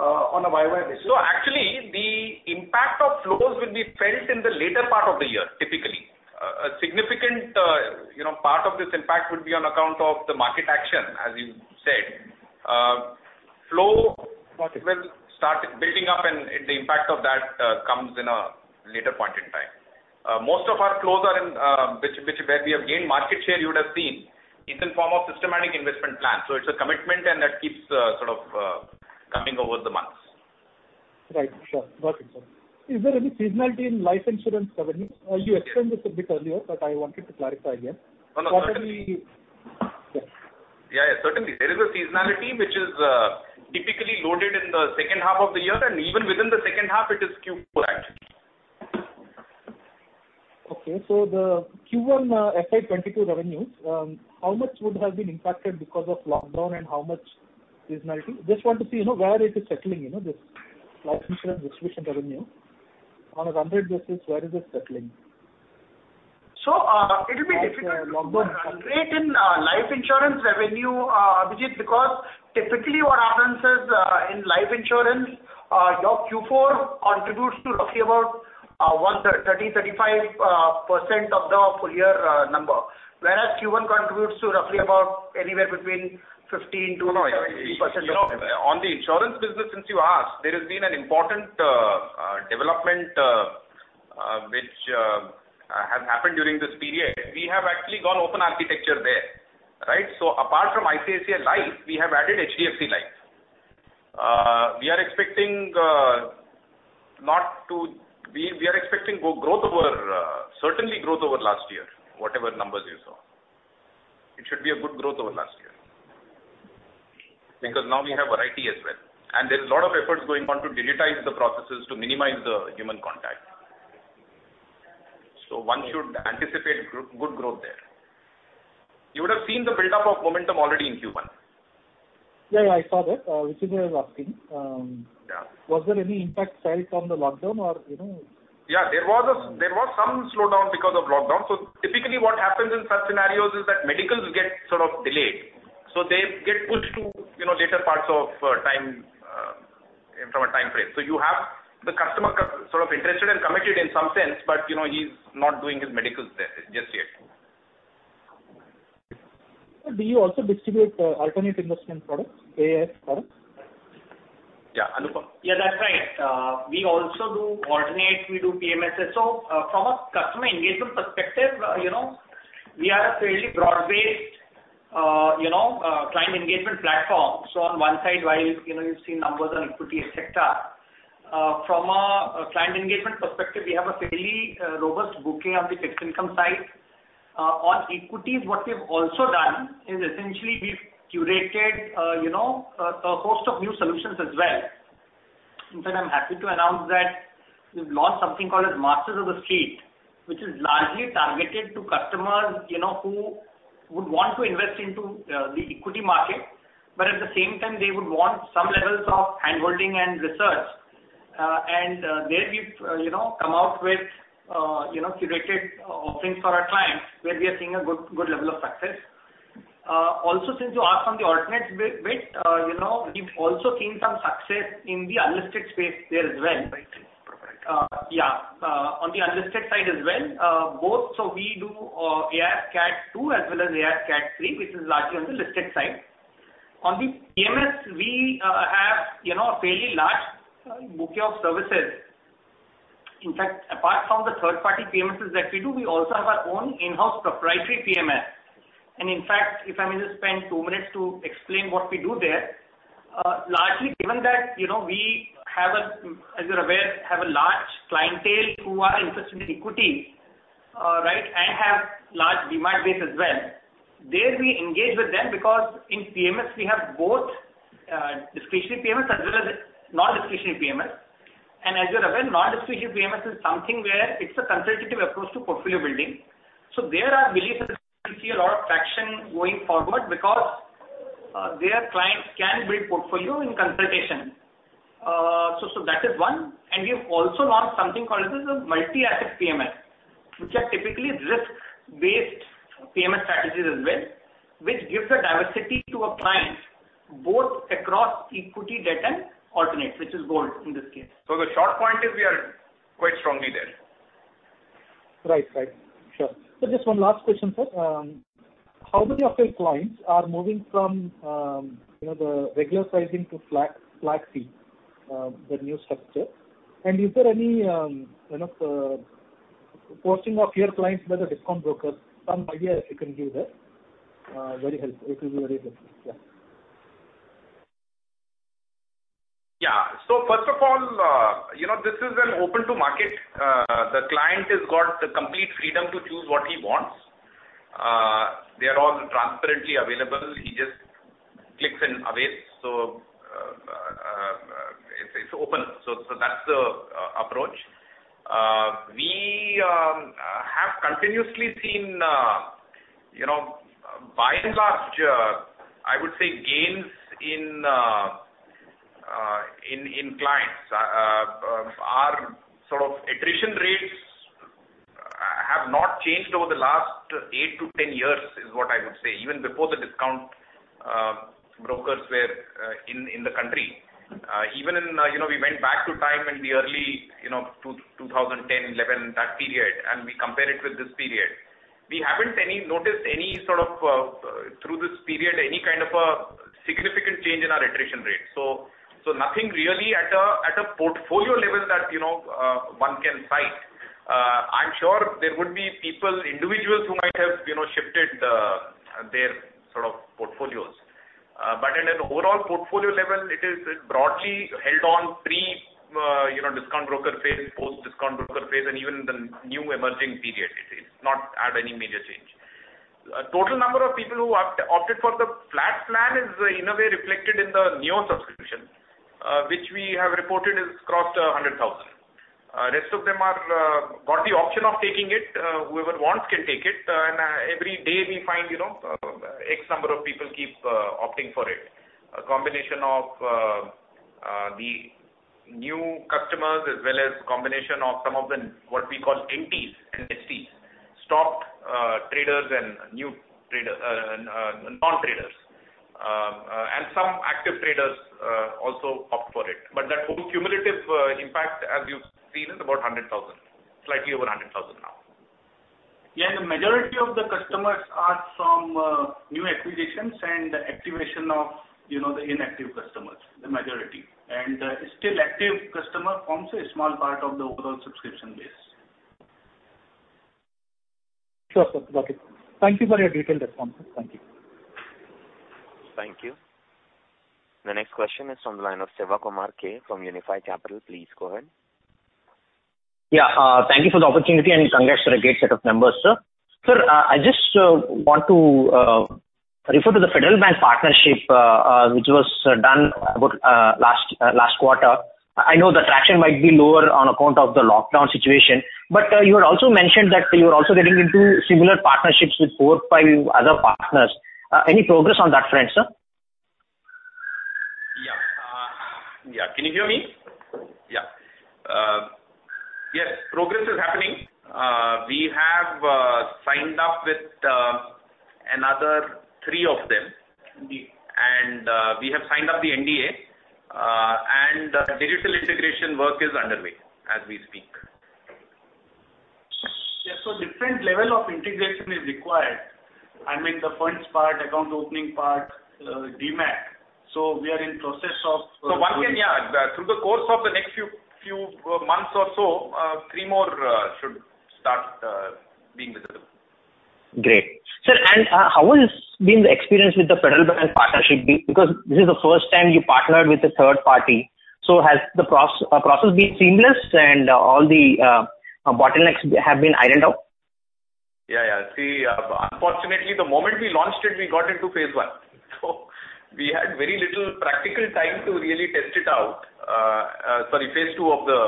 Actually, the impact of flows will typically be felt in the later part of the year. A significant part of this impact will be on account of market action, as you said. Flows will start building up, and the impact of that comes at a later point in time. Most of our flows where we have gained market share, you would have seen, are in the form of systematic investment plans. It's a commitment, and that keeps sort of coming over the months. Right. Sure. Got it, sir. Is there any seasonality in life insurance revenue? You explained this a bit earlier, but I wanted to clarify again. Yeah. Certainly. There is a seasonality which is typically loaded in the second half of the year and even within the second half it is Q4 actually. Okay. The Q1 FY 2022 revenues, how much would have been impacted because of lockdown and how much seasonality? Just want to see where it is settling, this life insurance distribution revenue on a 100 basis, where is it settling? It will be difficult to separate in life insurance revenue, Abhijeet because typically what happens is in life insurance, your Q4 contributes to roughly about 30%-35% of the full year number, whereas Q1 contributes to roughly about anywhere between 15%-70%. Regarding the insurance business, since you asked, there has been an important development during this period. We have actually adopted an open architecture there. Apart from ICICI Life, we have added HDFC Life. We are certainly expecting growth over last year, regardless of the numbers you saw. It should be good growth over last year because now we have variety, and there are many efforts underway to digitize processes to minimize human contact. One should anticipate good growth there. You would have already seen the buildup of momentum in Q1. Yeah, I saw that. Which is why I was asking. Yeah. Was there any impact felt from the lockdown? Yeah, there was some slowdown because of lockdown. Typically, what happens in such scenarios is that medicals get sort of delayed. They get pushed to later parts from a time frame. You have the customer sort of interested and committed in some sense, but he's not doing his medicals just yet. Do you also distribute alternate investment products, AIF products? Yeah, Anupam. Yeah, that's right. We also do alternates, we do PMSs. From a customer engagement perspective, we are a fairly broad-based client engagement platform. On one side, while you see numbers on equity, et cetera, from a client engagement perspective, we have a fairly robust bouquet on the fixed income side. On equities, what we've also done is essentially curated a host of new solutions as well. In fact, I'm happy to announce that we've launched something called Masters of The Street, which is largely targeted to customers who would want to invest in the equity market, but at the same time, they would want some level of handholding and research. There we've come out with curated offerings for our clients where we are seeing a good level of success. Since you asked on the alternate bit, we've also seen some success in the unlisted space there as well. Right. Yeah. On the unlisted side as well. Both, we do AIF Cat 2 as well as AIF Cat 3, which is largely on the listed side. On the PMS, we have a fairly large bouquet of services. In fact, apart from the third-party PMSs that we do, we also have our own in-house proprietary PMS. In fact, if I may just spend two minutes to explain what we do there. Largely, given that we, as you're aware, have a large clientele who are interested in equity, and have a large demand base as well. There we engage with them because in PMS we have both discretionary PMS as well as non-discretionary PMS. As you're aware, non-discretionary PMS is something where it's a consultative approach to portfolio building. There I believe that you'll see a lot of traction going forward because clients can build portfolios in consultation. That is one. We've also launched something called a multi-asset PMS, which are typically risk-based PMS strategies as well, which gives a client diversity across equity, debt, and alternates, which is gold in this case. The short point is we are quite strongly there. Right. Sure. Sir, just one last question. How many of your clients are moving from the regular pricing to the flat fee, the new structure? Are any of your clients being poached by discount brokers? Any idea you can give there would be very helpful. Yeah. First of all, this is an open market. The client has complete freedom to choose what he wants. They are all transparently available. He just clicks and awaits. It is open. That is the approach. We have continuously seen, by and large, gains in clients. Our attrition rates have not changed over the last 8 to 10 years, even before discount brokers were in the country. Even when we go back to the early 2010-2011 period and compare it with this period, we haven't noticed any significant change in our attrition rate. Nothing really at a portfolio level that one can cite. I am sure there would be individuals who might have shifted their portfolios. At an overall portfolio level, it is broadly divided into the pre-discount broker phase, post-discount broker phase, and even the new emerging period. There is no major change. The total number of people who opted for the flat plan is reflected in the Neo subscription, which we have reported has crossed 100,000. The rest of them have the option of taking it; whoever wants can take it, and every day we find X number of people keep opting for it. This is a combination of new customers as well as some of what we call NTs and STs: non-traders and stopped traders. Some active traders also opt for it. That whole cumulative impact, as you've seen, is about 100,000, slightly over 100,000 now. Yes, the majority of the customers are from new acquisitions and the activation of inactive customers. Still, active customers form a small part of the overall subscription base. Sure, sir. Got it. Thank you for your detailed response, sir. Thank you. Thank you. The next question is from the line of Sivakumar K. from Unifi Capital. Please go ahead. Yeah. Thank you for the opportunity, and congrats on a great set of numbers, sir. Sir, referring to the Federal Bank partnership, which was done about last quarter, I know the traction might be lower on account of the lockdown situation, but you had also mentioned that you are also getting into similar partnerships with four or five other partners. Any progress on that front, sir? Yeah. Can you hear me? Yeah. Yes. Progress is happening. We have signed up with another three of them. Okay. We have signed up the NDA, and the digital integration work is underway as we speak. Yeah. Different level of integration is required. I mean, the funds part, account opening part, DMAT. Through the course of the next few months or so, 3 more should start being visible. Great. Sir, how has been the experience with the Federal Bank partnership? Because this is the first time you partnered with a third party. Has the process been seamless and all the bottlenecks have been ironed out? Unfortunately, the moment we launched it, we got into phase 1. We had very little practical time to really test it out. Sorry, phase 2 of the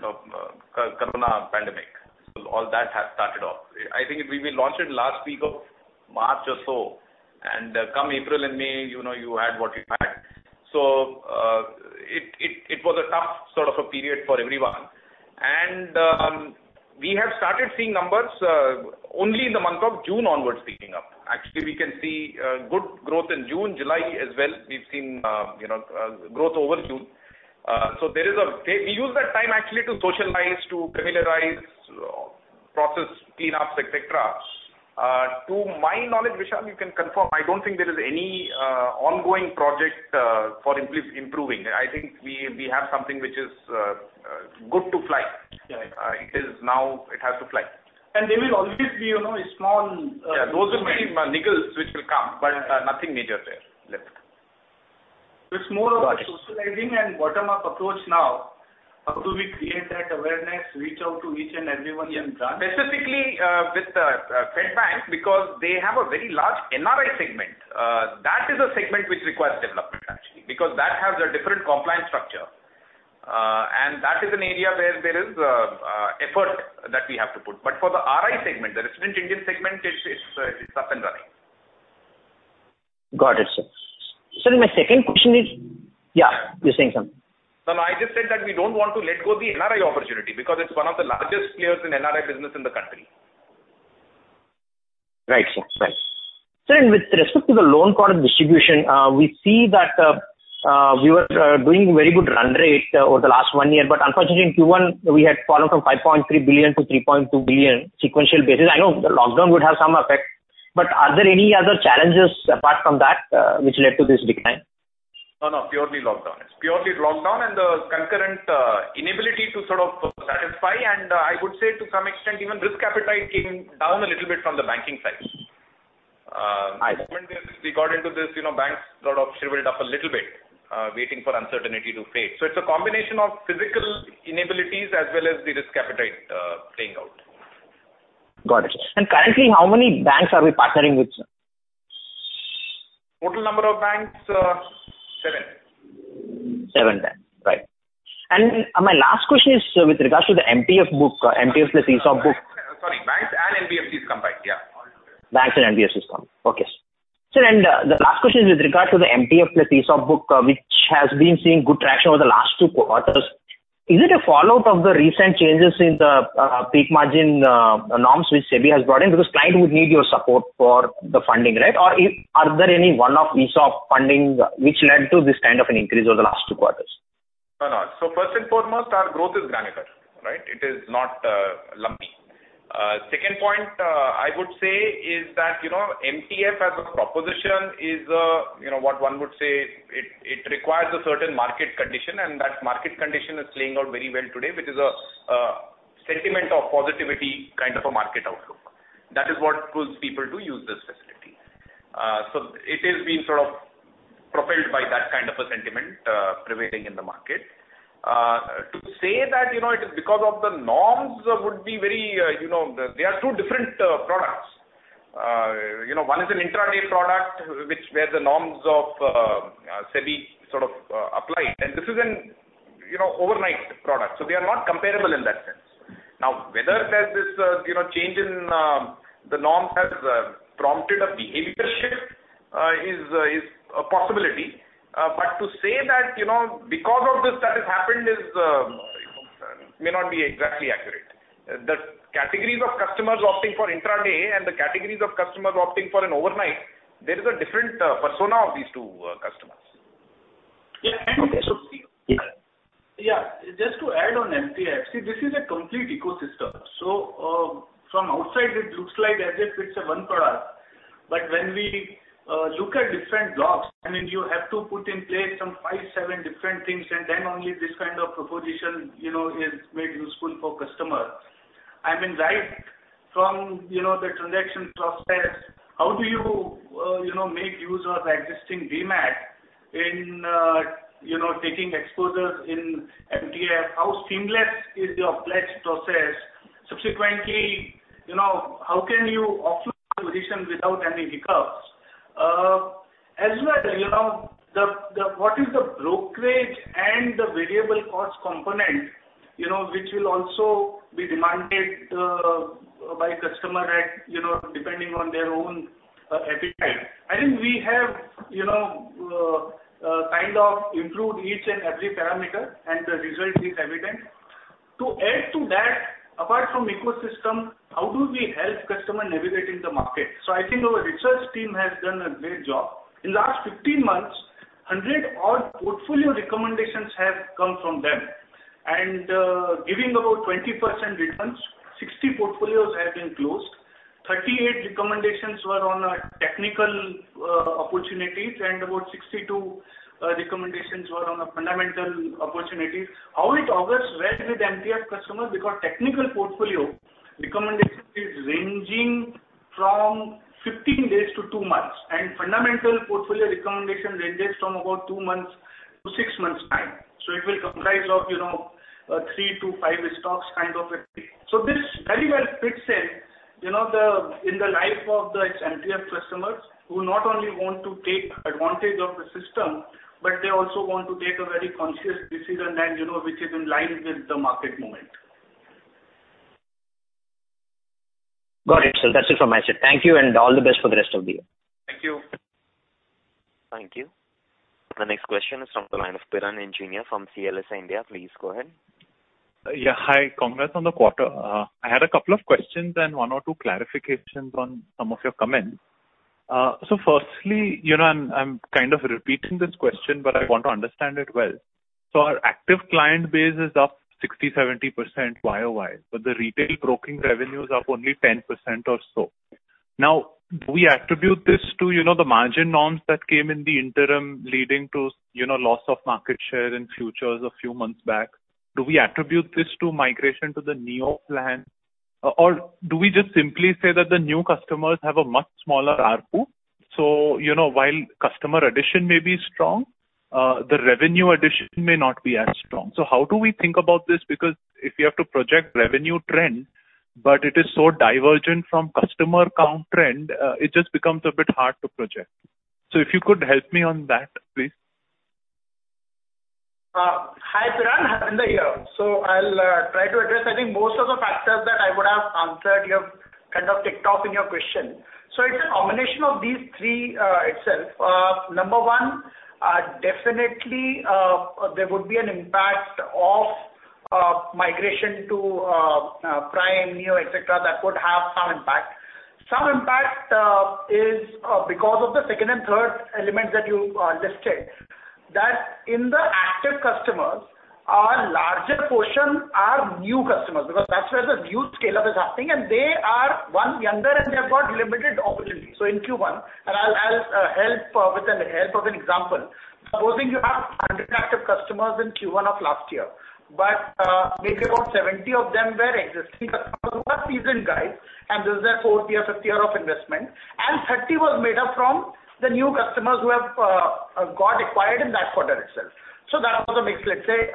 COVID-19 pandemic. All that has started off. I think we launched it the last week of March or so, and come April and May, you had what you had. It was a tough period for everyone. We have started seeing numbers picking up only in the month of June onwards. Actually, we can see good growth in June, July as well. We've seen growth over June. We used that time actually to socialize, to familiarize, process cleanups, et cetera. To my knowledge, Vishal, you can confirm, I don't think there is any ongoing project for improving. I think we have something which is good to fly. Right. It is now it has to fly. There will always be a small. Yeah, those are many niggles which will come, but nothing major there left. It's more of a socializing and bottom-up approach now after we create that awareness, reach out to each and everyone in turn. Specifically with FedBank, because they have a very large NRI segment. That is a segment which actually requires development, because it has a different compliance structure. That is an area where we have to put in effort. For the RI segment, the resident Indian segment, it's up and running. Got it, sir. Sir, my second question is Yeah, you were saying something. No, I just said that we don't want to let go of the NRI opportunity because it's one of the largest players in NRI business in the country. Right, sir. Sir, with respect to the loan product distribution, we see that we were doing very good run rate over the last one year, unfortunately, in Q1, we had fallen from 5.3 billion to 3.2 billion sequential basis. I know the lockdown would have some effect, are there any other challenges apart from that which led to this decline? No. Purely lockdown. It's purely lockdown and the concurrent inability to sort of satisfy, and I would say to some extent, even risk appetite came down a little bit from the banking side. I see. The moment we got into this, banks sort of shriveled up a little bit, waiting for uncertainty to fade. It's a combination of physical inabilities as well as risk appetite playing out. Got it. Currently, how many banks are we partnering with, sir? Total number of banks, seven. Seven banks. Right. My last question is with regards to the MTF book, MTF plus ESOP book. Sorry, banks and NBFCs combined. Yeah. Banks and NBFCs combined. Okay. Sir, the last question is with regard to the MTF plus ESOP book, which has been seeing good traction over the last two quarters. Is it a fallout of the recent changes in the peak margin norms that SEBI has brought in? Clients would need your support for the funding, right? Are there any one-off ESOP fundings which led to this kind of an increase over the last two quarters? No. First and foremost, our growth is granular. It is not lumpy. The second point I would make is that MTF as a proposition, one might say, requires certain market conditions, and those conditions are playing out very well today. This includes a sentiment of positivity, a kind of market outlook that draws people to use this facility. It is being propelled by that kind of prevailing sentiment in the market. To say that it is because of the norms would be incorrect; they are two different products. One is an intraday product where SEBI's norms apply, and this is an overnight product. They are not comparable in that sense. Whether this change in norms has prompted a behavioral shift is a possibility. To say that this happened because of that may not be exactly accurate. The categories of customers opting for intraday and those opting for overnight have different personas. Yeah, just to add on MTF, this is a complete ecosystem. From the outside, it looks as if it's one product. When we look at different blocks, I mean, you have to put in place some five, seven different things, and then only this kind of proposition is made useful for customers. I mean, right from the transaction process, how do you make use of the existing DMAT in taking exposures in MTF, how seamless is your pledge process? Subsequently, how can you offer a solution without any hiccups? As well, what is the brokerage and the variable cost component which will also be demanded by the customer depending on their own appetite? I think we have improved each and every parameter, and the result is evident. To add to that, apart from the ecosystem, how do we help customers navigate in the market? I think our research team has done a great job. In the last 15 months, around 100 portfolio recommendations have come from them. Giving about 20% returns, 60 portfolios have been closed. 38 recommendations were based on technical opportunities, and about 62 recommendations were based on fundamental opportunities. This bodes well for MTF customers because technical portfolio recommendations range from 15 days to 2 months, and fundamental portfolio recommendations range from about 2 months to 6 months. Each portfolio will comprise 3 to 5 stocks. This fits very well into the lives of MTF customers who not only want to take advantage of the system but also want to make a very conscious decision that is in line with market movements. Got it, sir. That's it from my side. Thank you and all the best for the rest of the year. Thank you. Thank you. The next question is from the line of Piran Engineer from CLSA India. Please go ahead. Yeah. Hi. Congrats on the quarter. I had a couple of questions and one or two clarifications on some of your comments. First, I'm kind of repeating this question, but I want to understand it well. Our active client base is up 60%-70% YOY, but the retail broking revenue is up only 10% or so. Do we attribute this to the margin norms that came in the interim, leading to a loss of market share in futures a few months back? Do we attribute this to migration to the Neo plan? Do we simply say that the new customers have a much smaller ARPU? While customer addition may be strong, the revenue addition may not be as strong. How do we think about this? If you have to project revenue trend, but it is so divergent from customer count trend, it just becomes a bit hard to project. If you could help me on that, please. Hi, Piran Engineer. Harvinder Jaspal here. I'll try to address, I think most of the factors that I would have answered, you have ticked off in your question. It's a combination of these 3 itself. Number 1, definitely, there would be an impact of migration to Prime, Neo, et cetera, that would have some impact. Some impact is because of the second and third elements that you listed. That in the active customers, our larger portion are new customers because that's where the new scale-up is happening and they are, 1, younger and they have got limited opportunity. In Q1, and I'll help with an help of an example. Supposing you have 100 active customers in Q1 of last year. Maybe about 70 of them were existing customers, were seasoned guys, and this is their fourth year, fifth year of investment, and 30 was made up from the new customers who have got acquired in that quarter itself. That was a mix, let's say,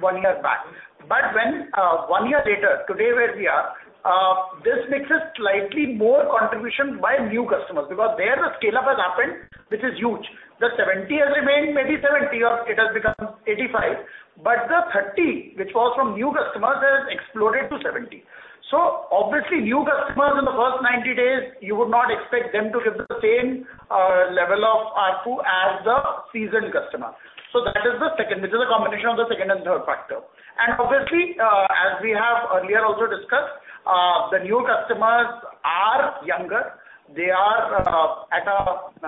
one year back. When one year later, today where we are, this mix is slightly more contribution by new customers because there the scale-up has happened, which is huge. The 70 has remained maybe 70 or it has become 85. The 30, which was from new customers has exploded to 70. Obviously new customers in the first 90 days, you would not expect them to give the same level of ARPU as the seasoned customer. That is the second, which is a combination of the second and third factor. Obviously, as we have discussed earlier, the new customers are younger. They are at an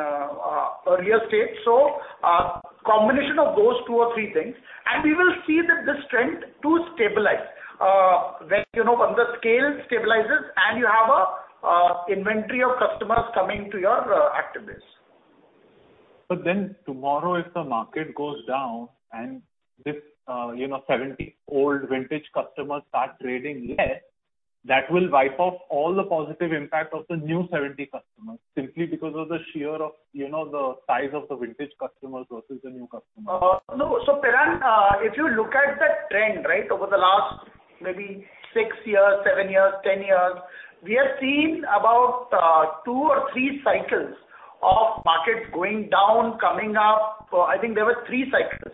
earlier stage. A combination of those two or three things, and we will see that this trend will stabilize. Then the scale stabilizes and you have an inventory of customers coming to your active base. Tomorrow, if the market goes down and this 70 old vintage customers start trading less, that will wipe off all the positive impact of the new 70 customers simply because of the sheer of the size of the vintage customers versus the new customers. No. Piran, if you look at the trend over the last maybe 6, 7, or 10 years, we have seen about 2 or 3 cycles of markets going down and coming up. I think there were 3 cycles.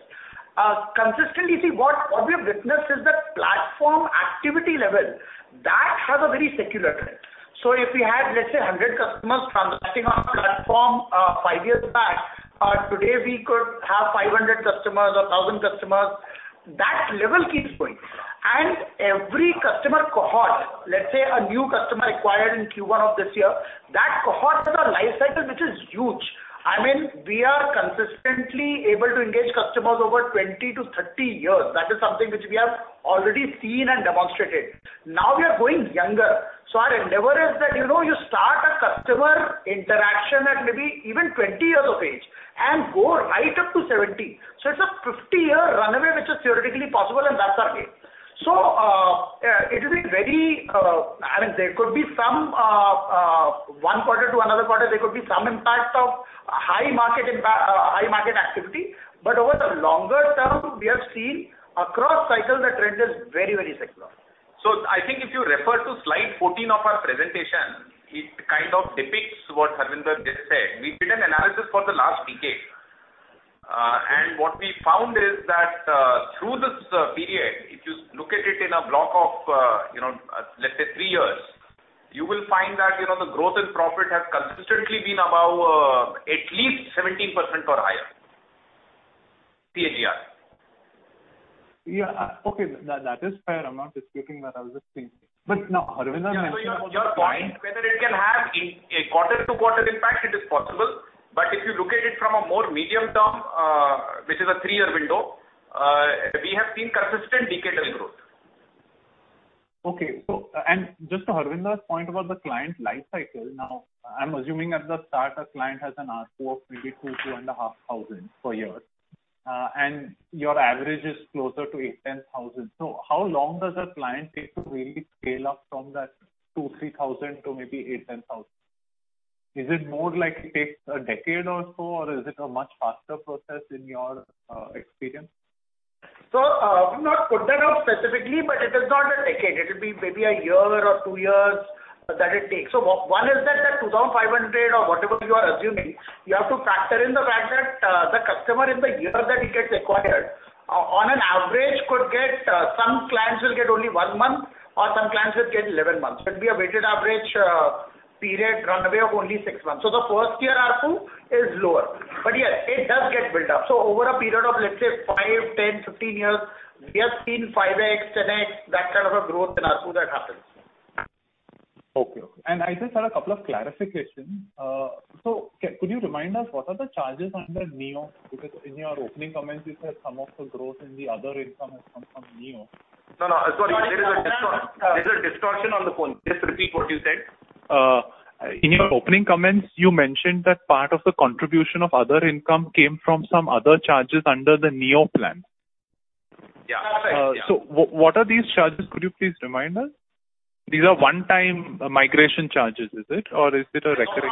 Consistently, what we have witnessed is that platform activity level has a very secular trend. If we had, let's say, 100 customers transacting on our platform 5 years ago, today we could have 500 or 1,000 customers. That level keeps growing. Every customer cohort, let's say a new customer acquired in Q1 of this year, that cohort has a huge life cycle. I mean, we are consistently able to engage customers for over 20-30 years. That is something which we have already seen and demonstrated. Now we are going younger. Our endeavor is that you start a customer interaction at maybe even 20 years of age and go right up to 70. It's a 50-year runway, which is theoretically possible, and that's our game. From one quarter to another, there could be some impact of high market activity. Over the longer term, we have seen across cycles that the trend is very secular. I think if you refer to slide 14 of our presentation, it kind of depicts what Harvinder just said. We did an analysis for the last decade, and what we found is that through this period, if you look at it in a block of let's say three years, you will find that the growth in profit has consistently been about at least 17% or higher CAGR. Yeah. Okay. That is fair. I'm not disputing that. I was just saying. Now, Harvinder mentioned about the. Your point, whether it can have a quarter-to-quarter impact, it is possible. If you look at it from a more medium-term, which is a three-year window, we have seen consistent decade-long growth. Okay. Just to Harvinder's point about the client life cycle, I'm assuming at the start, a client has an ARPU of maybe 2,000-2,500 per year. Your average is closer to 8,000-10,000. How long does a client take to really scale up from that 2,000-3,000 to maybe 8,000-10,000? Is it more like it takes a decade or so, or is it a much faster process in your experience? We've not put that out specifically, but it is not a decade. It will take maybe a year or two. One factor is that for the 2,500 (or whatever you are assuming), you have to consider that the customer, in the year they get acquired, on average, some clients will get only one month, while some clients will get 11 months. It'll be a weighted average period runway of only six months. The first year ARPU is lower. Yes, it does get built up. Over a period of, let's say, five, 10, or 15 years, we have seen 5X, 10X, that kind of growth in ARPU that happens. Okay. I just had a couple of clarifications. Could you remind us what are the charges under Neo? Because in your opening comments, you said some of the growth in the other income has come from Neo. No, sorry. There's a distortion on the phone. Just repeat what you said. In your opening comments, you mentioned that part of the contribution of other income came from some other charges under the Neo plan. Yeah. That's right. What are these charges? Could you please remind us? These are one-time migration charges, is it? Or is it a recurring-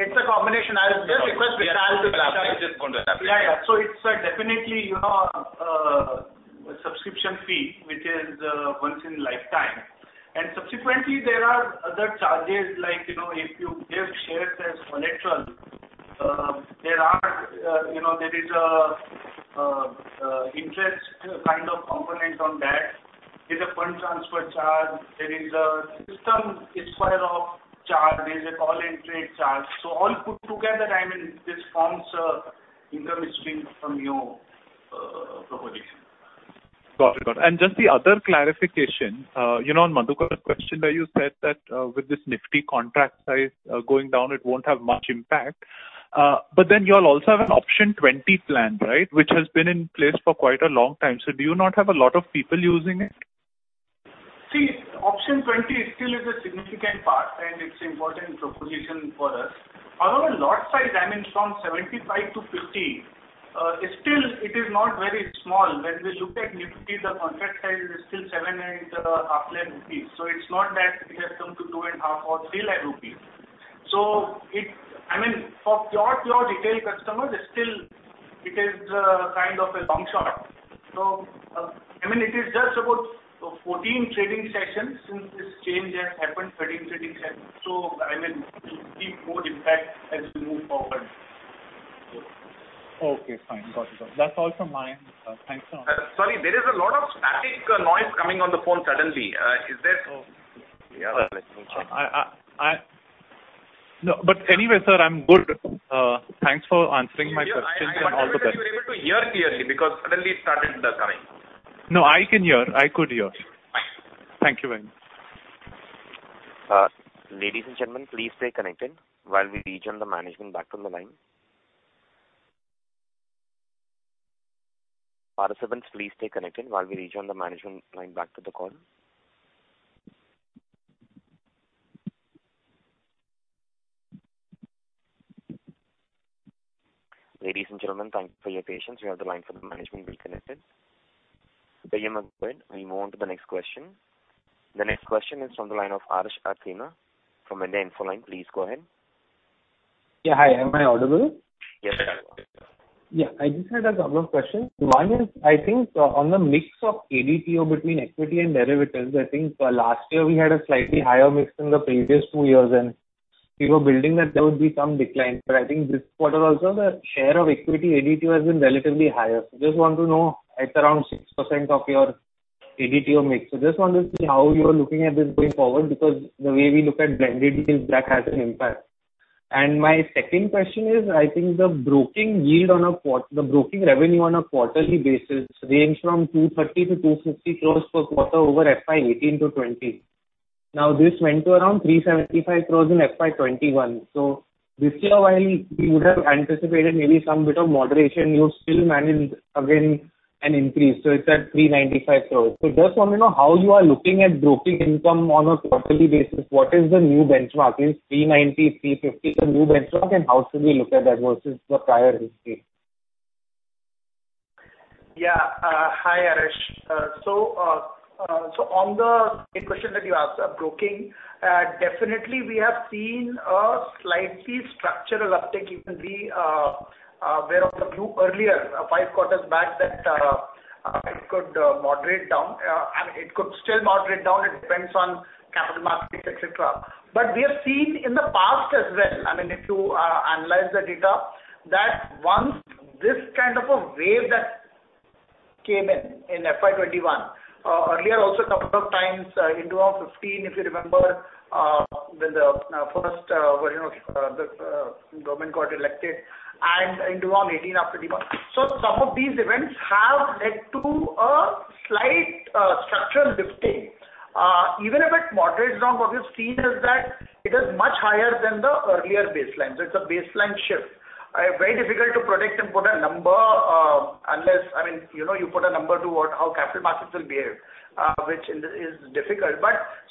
It's a combination. I'll just request Vishal to elaborate. Vishal will just go into the details. Yes, it's definitely a subscription fee, which is a one-time payment. Subsequently, there are other charges, such as an interest component if you use shares as collateral. There's a fund transfer charge, a system expiry charge, and a call entry charge. All these together form an income stream from your proposition. Got it. Just the other clarification. On Madhukar's question where you said that with this Nifty contract size going down, it won't have much impact. You'll also have an Option 20 plan, right, which has been in place for quite a long time. Do you not have a lot of people using it? Option 20 is still a significant part and an important proposition for us. Although the lot size is reduced from 75 to 50, it is still not very small. When we look at Nifty, the contract size is still seven and a half lakh rupees. It's not that it has come to two and a half or three lakh rupees. I mean, for pure retail customers, it is still kind of a long shot. It has only been about 14 trading sessions, or 13 trading sessions, since this change happened. We'll see more impact as we move forward. Okay, fine. Got it. That's all from my end. Thanks so much. Sorry, there is a lot of static noise coming on the phone suddenly. Yeah. Let me check. No, anyway, sir, I'm good. Thanks for answering my questions and all the best. I wonder if you were able to hear clearly because suddenly it started coming. No, I can hear. I could hear. Thank you very much. Ladies and gentlemen, please stay connected while we rejoin the management on the line. Participants, please stay connected while we reconnect the management to the call. Ladies and gentlemen, thank you for your patience. We have reconnected the management. Peyam, go ahead. We'll move on to the next question. The next question is from Harsh Akkina from India Infoline. Please go ahead. Yeah. Hi. Am I audible? Yes, sir. Yeah. I just had a couple of questions. One is, I think on the mix of ADTO between equity and derivatives, I think last year we had a slightly higher mix than the previous two years, and you were building that there would be some decline. I think this quarter also, the share of equity ADTO has been relatively higher. I just want to know, it's around 6% of your ADTO mix. I just wanted to see how you are looking at this going forward because the way we look at blended deals, that has an impact. My second question is, I think the broking revenue on a quarterly basis ranges from 230 crores-250 crores per quarter over FY 2018 to 2020. This went to around 375 crores in FY 2021. This year, while we might have anticipated some moderation, you still managed an increase. It's at 395 crore. I just want to know how you are looking at broking income on a quarterly basis. What is the new benchmark? Is 390, 350 the new benchmark, and how should we look at that versus prior history? Yeah. Hi, Harsh Akkina. On the question that you asked about broking, we have definitely seen a slightly structural uptick. Even we were of the view earlier, five quarters back, that it could moderate down. I mean, it could still moderate down. It depends on capital markets, et cetera. We have seen in the past as well, if you analyze the data, that once this kind of a wave that came in in FY 2021, earlier also a couple of times in 2015, if you remember, when the first version of the government got elected and in 2018 after demonetization. Some of these events have led to a slight structural lifting. Even if it moderates down, what we've seen is that it is much higher than the earlier baseline. It's a baseline shift. It's very difficult to predict and put a number, unless you put a number to how capital markets will behave, which is difficult.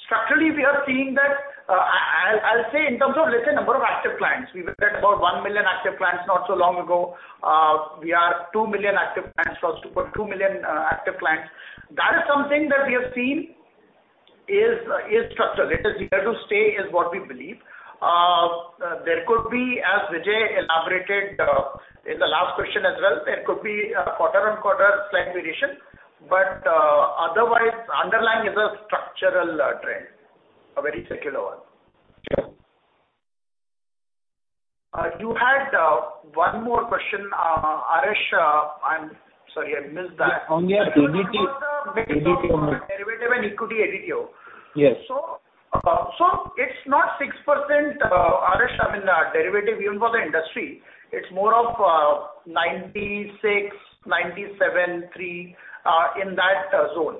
Structurally, we are seeing that, I'll say in terms of, let's say, the number of active clients. We were at about 1 million active clients not so long ago. We are at 2 million active clients. That is something that we have seen is structural. It is here to stay, is what we believe. There could be, as Vijay elaborated in the last question as well, a quarter-on-quarter slight variation. Otherwise, the underlying trend is structural, a very secular one. Sure. You had one more question, Harsh Akkina. I'm sorry I missed that. On your About the mix of derivative and equity ADTO. Yes. It's not 6%, Harsh Akkina, I mean, derivative even for the industry. It's more like 96, 97, 3 in that zone.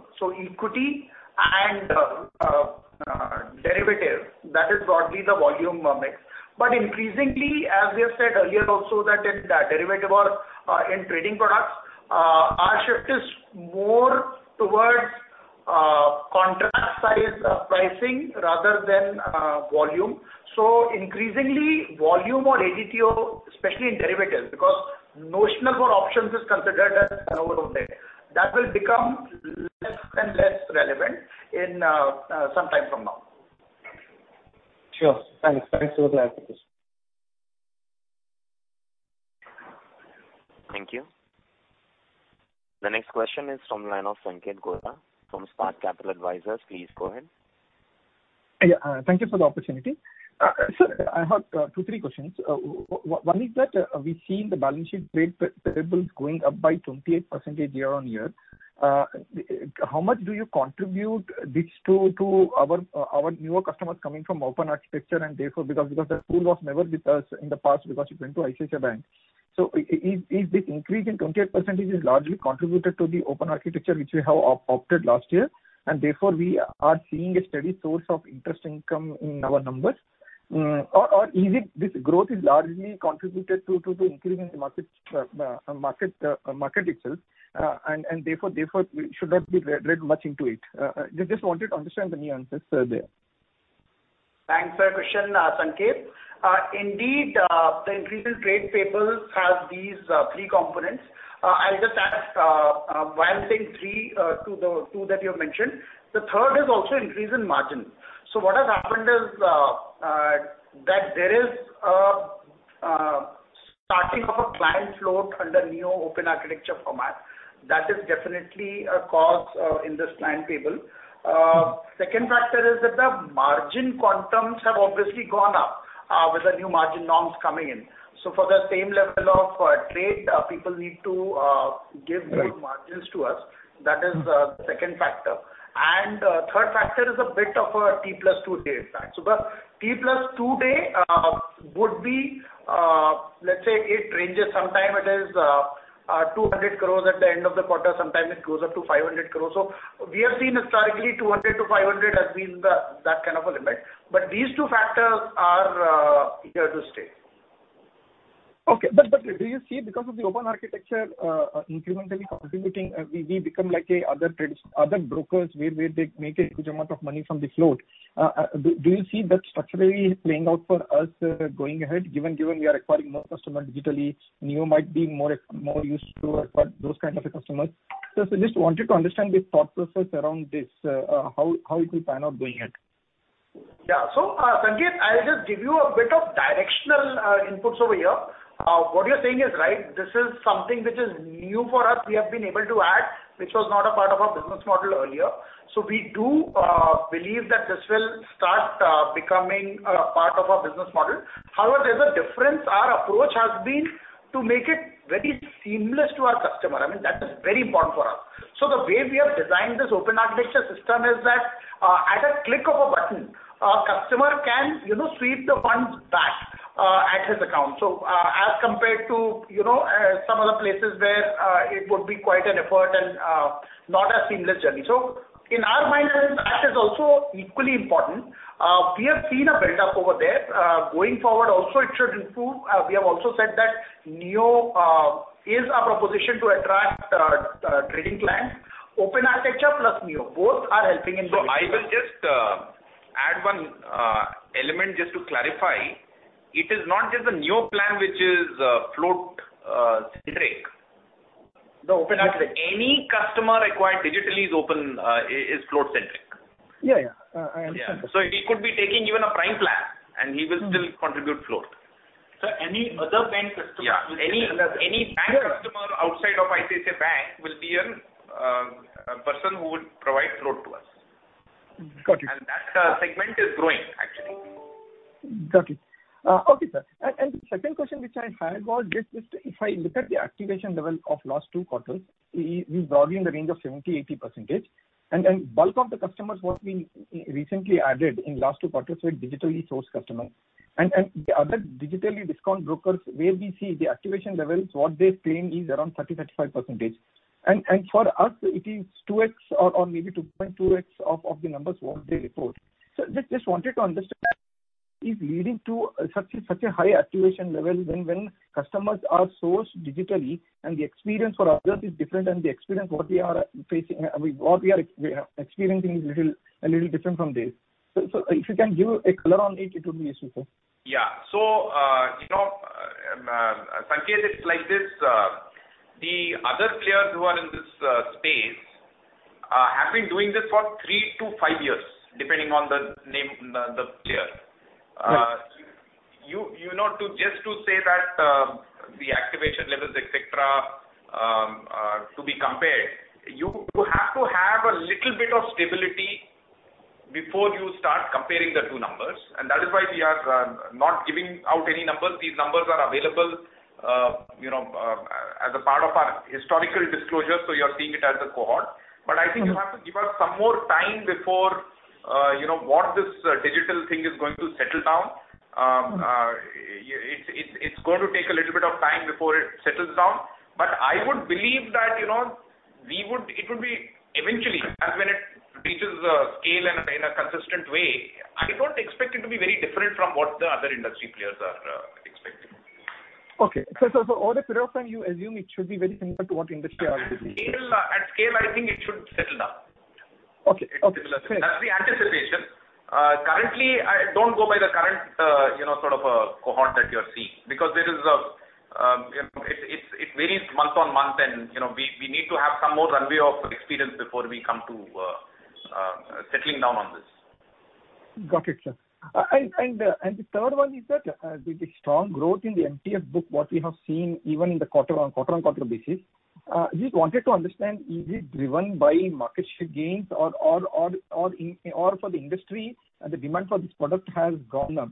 Equity and derivative, that is broadly the volume mix. Increasingly, as we have said earlier also, that in derivative or in trading products, our shift is more towards contract size pricing rather than volume. Increasingly, volume or ADTO, especially in derivatives, because notional for options is considered out of date. That will become less and less relevant in some time from now. Sure. Thanks for the clarification. Thank you. The next question is from the line of Sanketh Godha from Spark Capital Advisors. Please go ahead. Yeah. Thank you for the opportunity. Sir, I have two or three questions. One is that we've seen the balance sheet trade payables going up by 28% year-on-year. How much do you attribute this to our newer customers coming from open architecture, and therefore, because that pool was never with us in the past, it went to ICICI Bank? Is this 28% increase largely attributed to the open architecture we opted for last year, and therefore, we are seeing a steady source of interest income in our numbers? Or is this growth largely attributed to the increase in the market itself, and therefore, we should not read much into it? I just wanted to understand the nuances there. Thanks for the question, Sanket. Indeed, the increase in trade payables has these three components. I'll just add one thing, the third to the two that you have mentioned. The third is also an increase in margin. What has happened is that there is a starting of a client float under the Neo open architecture format. That is definitely a cause in this client payable. The second factor is that the margin quantums have obviously gone up with the new margin norms coming in. For the same level of trade, people need to give more margins to us. That is the second factor. The third factor is a bit of a T+2 day effect. The T+2 day would be, let's say, it ranges; sometimes it is 200 crores at the end of the quarter, sometimes it goes up to 500 crores. We have seen historically 200-500 has been that kind of an impact. These two factors are here to stay. Okay. Do you see that because of the open architecture incrementally contributing, we become like other brokers where they make a huge amount of money from this float? Do you see that structurally playing out for us going ahead, given we are acquiring more customers digitally? Neo might be more used to acquire those kinds of customers. I just wanted to understand the thought process around this and how it will pan out going ahead. Yeah. Sanket, I'll just give you a bit of directional input here. What you're saying is right. This is something which is new for us. We have been able to add something that was not a part of our business model earlier. We do believe that this will start becoming a part of our business model. However, there's a difference. Our approach has been to make it very seamless for our customer. I mean, that is very important for us. The way we have designed this open-architecture system is that, at the click of a button, a customer can sweep the funds back into his account, as compared to some other places where it would be quite an effort and not a seamless journey. In our mind, that is also equally important. We have seen a buildup there. Going forward also it should improve. We have also said that Neo is a proposition to attract trading clients. Open architecture plus Neo, both are helping in this. Add one element just to clarify, it is not just the new plan which is float centric. The open- Any customer acquired digitally is float centric. Yeah. I understand. He could be taking even a Prime plan, and he will still contribute float. Sir, any other bank customer- Yeah. Any bank customer outside of ICICI Bank will be a person who would provide float to us. Got you. That segment is growing, actually. Got it. Okay, sir. The second question I had was, if I look at the activation level of the last two quarters, it is broadly in the range of 70%-80%, and the bulk of the customers we recently added in the last two quarters were digitally sourced customers. The other digitally discounted brokers, where we see the activation levels, what they claim is around 30%-35%. For us, it is 2x or maybe 2.2x the numbers they report. Sir, I just wanted to understand what is leading to such a high activation level when customers are sourced digitally and the experience for others is different, and the experience we are having is a little different from theirs. Sir, if you could provide some color on it, it would be useful. Yeah. Sanket, it's like this. The other players who are in this space have been doing this for three to five years, depending on the player. Right. Just to say that for the activation levels, et cetera, to be compared, you have to have a little bit of stability before you start comparing the two numbers. That is why we are not giving out any numbers. These numbers are available as a part of our historical disclosure, so you're seeing it as a cohort. I think you have to give us some more time before this digital thing is going to settle down. It's going to take a little bit of time before it settles down. I believe that it will eventually, as when it reaches a scale and in a consistent way, I don't expect it to be very different from what other industry players are expecting. Over a period of time, you assume it should be very similar to what industry average is. At scale, I think it should settle down. Okay. It's similar. That's the anticipation. Don't go by the current cohort that you're seeing, because it varies month-on-month, and we need to have some more runway of experience before we settle down on this. Got it, sir. The third point is that with the strong growth in the MTF book, which we have seen even on a quarter-on-quarter basis, I just wanted to understand if it's driven by market share gains or if the industry's demand for this product has increased.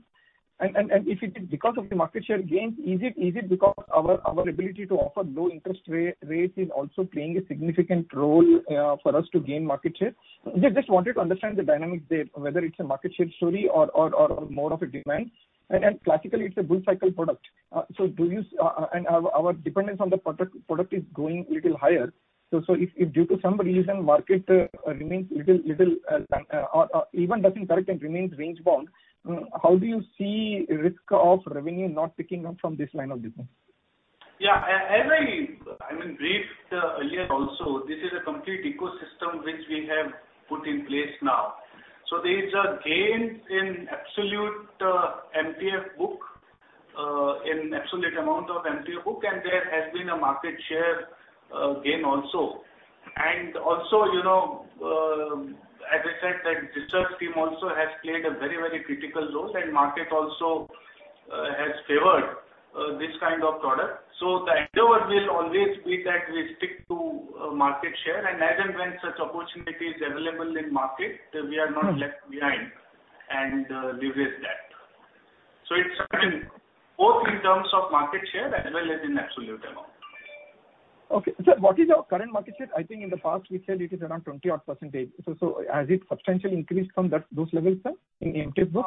If it is because of market share gains, is it due to our ability to offer low interest rates, which is also playing a significant role in us gaining market share? I just wanted to understand the dynamics there, whether it's a market share story or more of a demand story. Classically, it's a bull cycle product. Our dependence on the product is increasing slightly. If, for some reason, the market remains flat or doesn't correct and remains range-bound, how do you see the risk of revenue not picking up from this line of business? Yes. As I briefed earlier, this is a complete ecosystem that we have put in place now. These are gains in the absolute MTF book, in the absolute amount of the MTF book, and there has also been a market share gain. Also, as I said, the research team has played a very critical role, and the market has also favored this kind of product. The endeavor will always be that we stick to market share, and as and when such an opportunity is available in the market, we are not left behind and leverage that. It's certain, both in terms of market share as well as in absolute amount. Okay. Sir, what is your current market share? I think in the past we said it is around 20 odd %. Has it substantially increased from those levels, sir, in MTF book?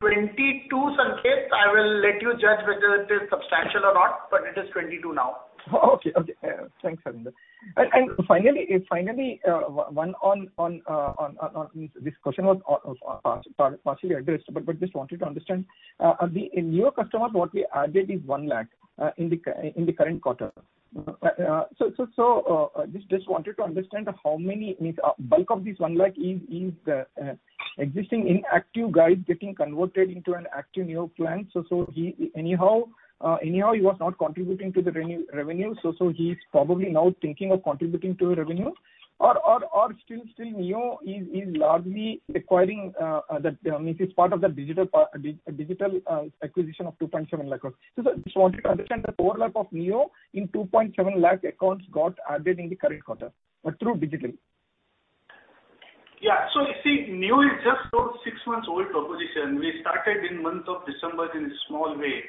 22, Sanket. I will let you judge whether it is substantial or not. It is 22 now. Okay. Thanks, Sarvesh. Finally, this question was partially addressed, but I just wanted to understand: among your customers, we added 1 lakh in the current quarter. I just wanted to understand how much of this 1 lakh consists of existing inactive users getting converted into an active Neo plan. He wasn't contributing to revenue anyway, so he's probably now thinking of contributing to revenue. Or is Neo still largely acquiring, meaning it's part of the digital acquisition of 2.7 lakh accounts? Sir, I just wanted to understand the overlap of Neo in the 2.7 lakh accounts added in the current quarter through digital means. You see, Neo is just a six-month-old proposition. We started in December in a small way.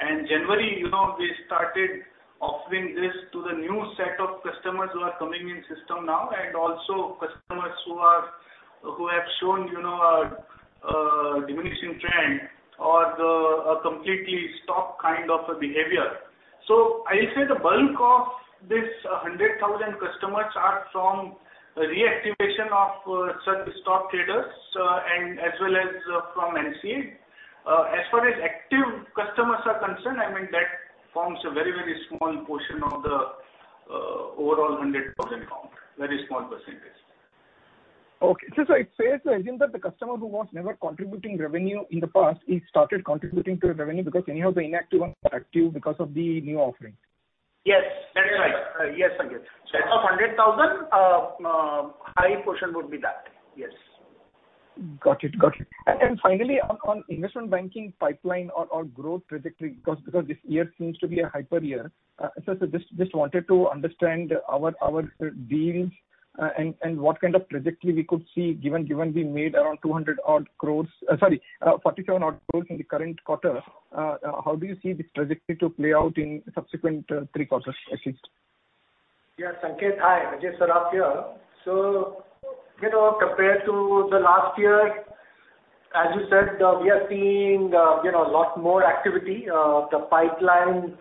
In January, we started offering this to the new set of customers who are now coming into the system, and also to customers who have shown a diminishing trend or a complete stop in behavior. I'd say the bulk of these 100,000 customers are from the reactivation of such stopped traders, as well as from MCA. As far as active customers are concerned, that forms a very small portion of the overall 100,000 accounts. A very small percentage. Okay. It's fair to assume that the customer who was never contributing revenue in the past started contributing to the revenue because the inactive ones are active due to the new offering. Yes, that is right. Yes, Sanket. Out of 100,000, high portion would be that. Yes. Got it. Finally, regarding the investment banking pipeline or growth trajectory, this year seems to be a hyper year. Sir, I just wanted to understand our deals and what kind of trajectory we could see, given we made around 47 odd crores in the current quarter. How do you see this trajectory playing out in the subsequent three quarters at least? Yeah, Sanket. Hi. Ajay Saraf here. Compared to last year, as you said, we are seeing a lot more activity. The pipeline,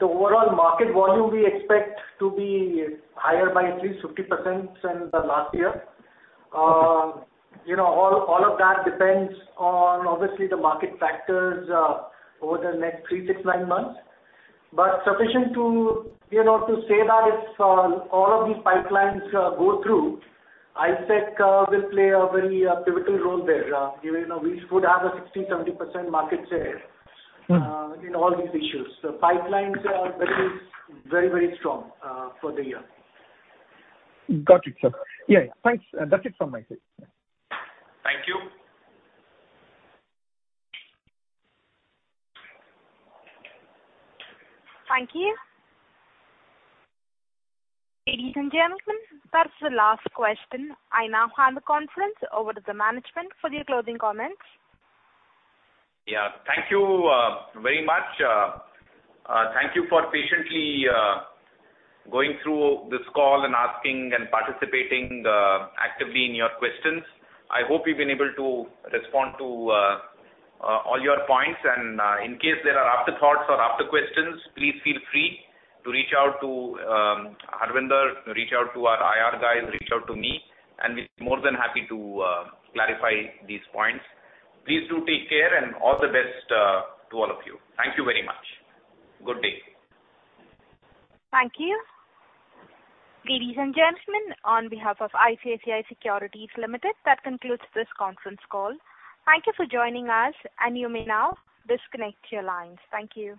the overall market volume, we expect to be higher by at least 50% than last year. All of that depends on, obviously, the market factors over the next three, six, nine months. Suffice it to say that if all of these pipelines go through, ICICI will play a very pivotal role there. We would have a 60%, 70% market share in all these issues. Pipelines are very strong for the year. Got it, sir. Yeah. Thanks. That's it from my side. Thank you. Thank you. Ladies and gentlemen, that is the last question. I now hand the conference over to the management for their closing comments. Yeah. Thank you very much. Thank you for patiently going through this call and asking and participating actively with your questions. I hope we've been able to respond to all your points. In case there are afterthoughts or follow-up questions, please feel free to reach out to Harvinder, reach out to our IR guys, reach out to me, and we'll be more than happy to clarify these points. Please do take care, and all the best to all of you. Thank you very much. Good day. Thank you. Ladies and gentlemen, on behalf of ICICI Securities Limited, that concludes this conference call. Thank you for joining us, and you may now disconnect your lines. Thank you.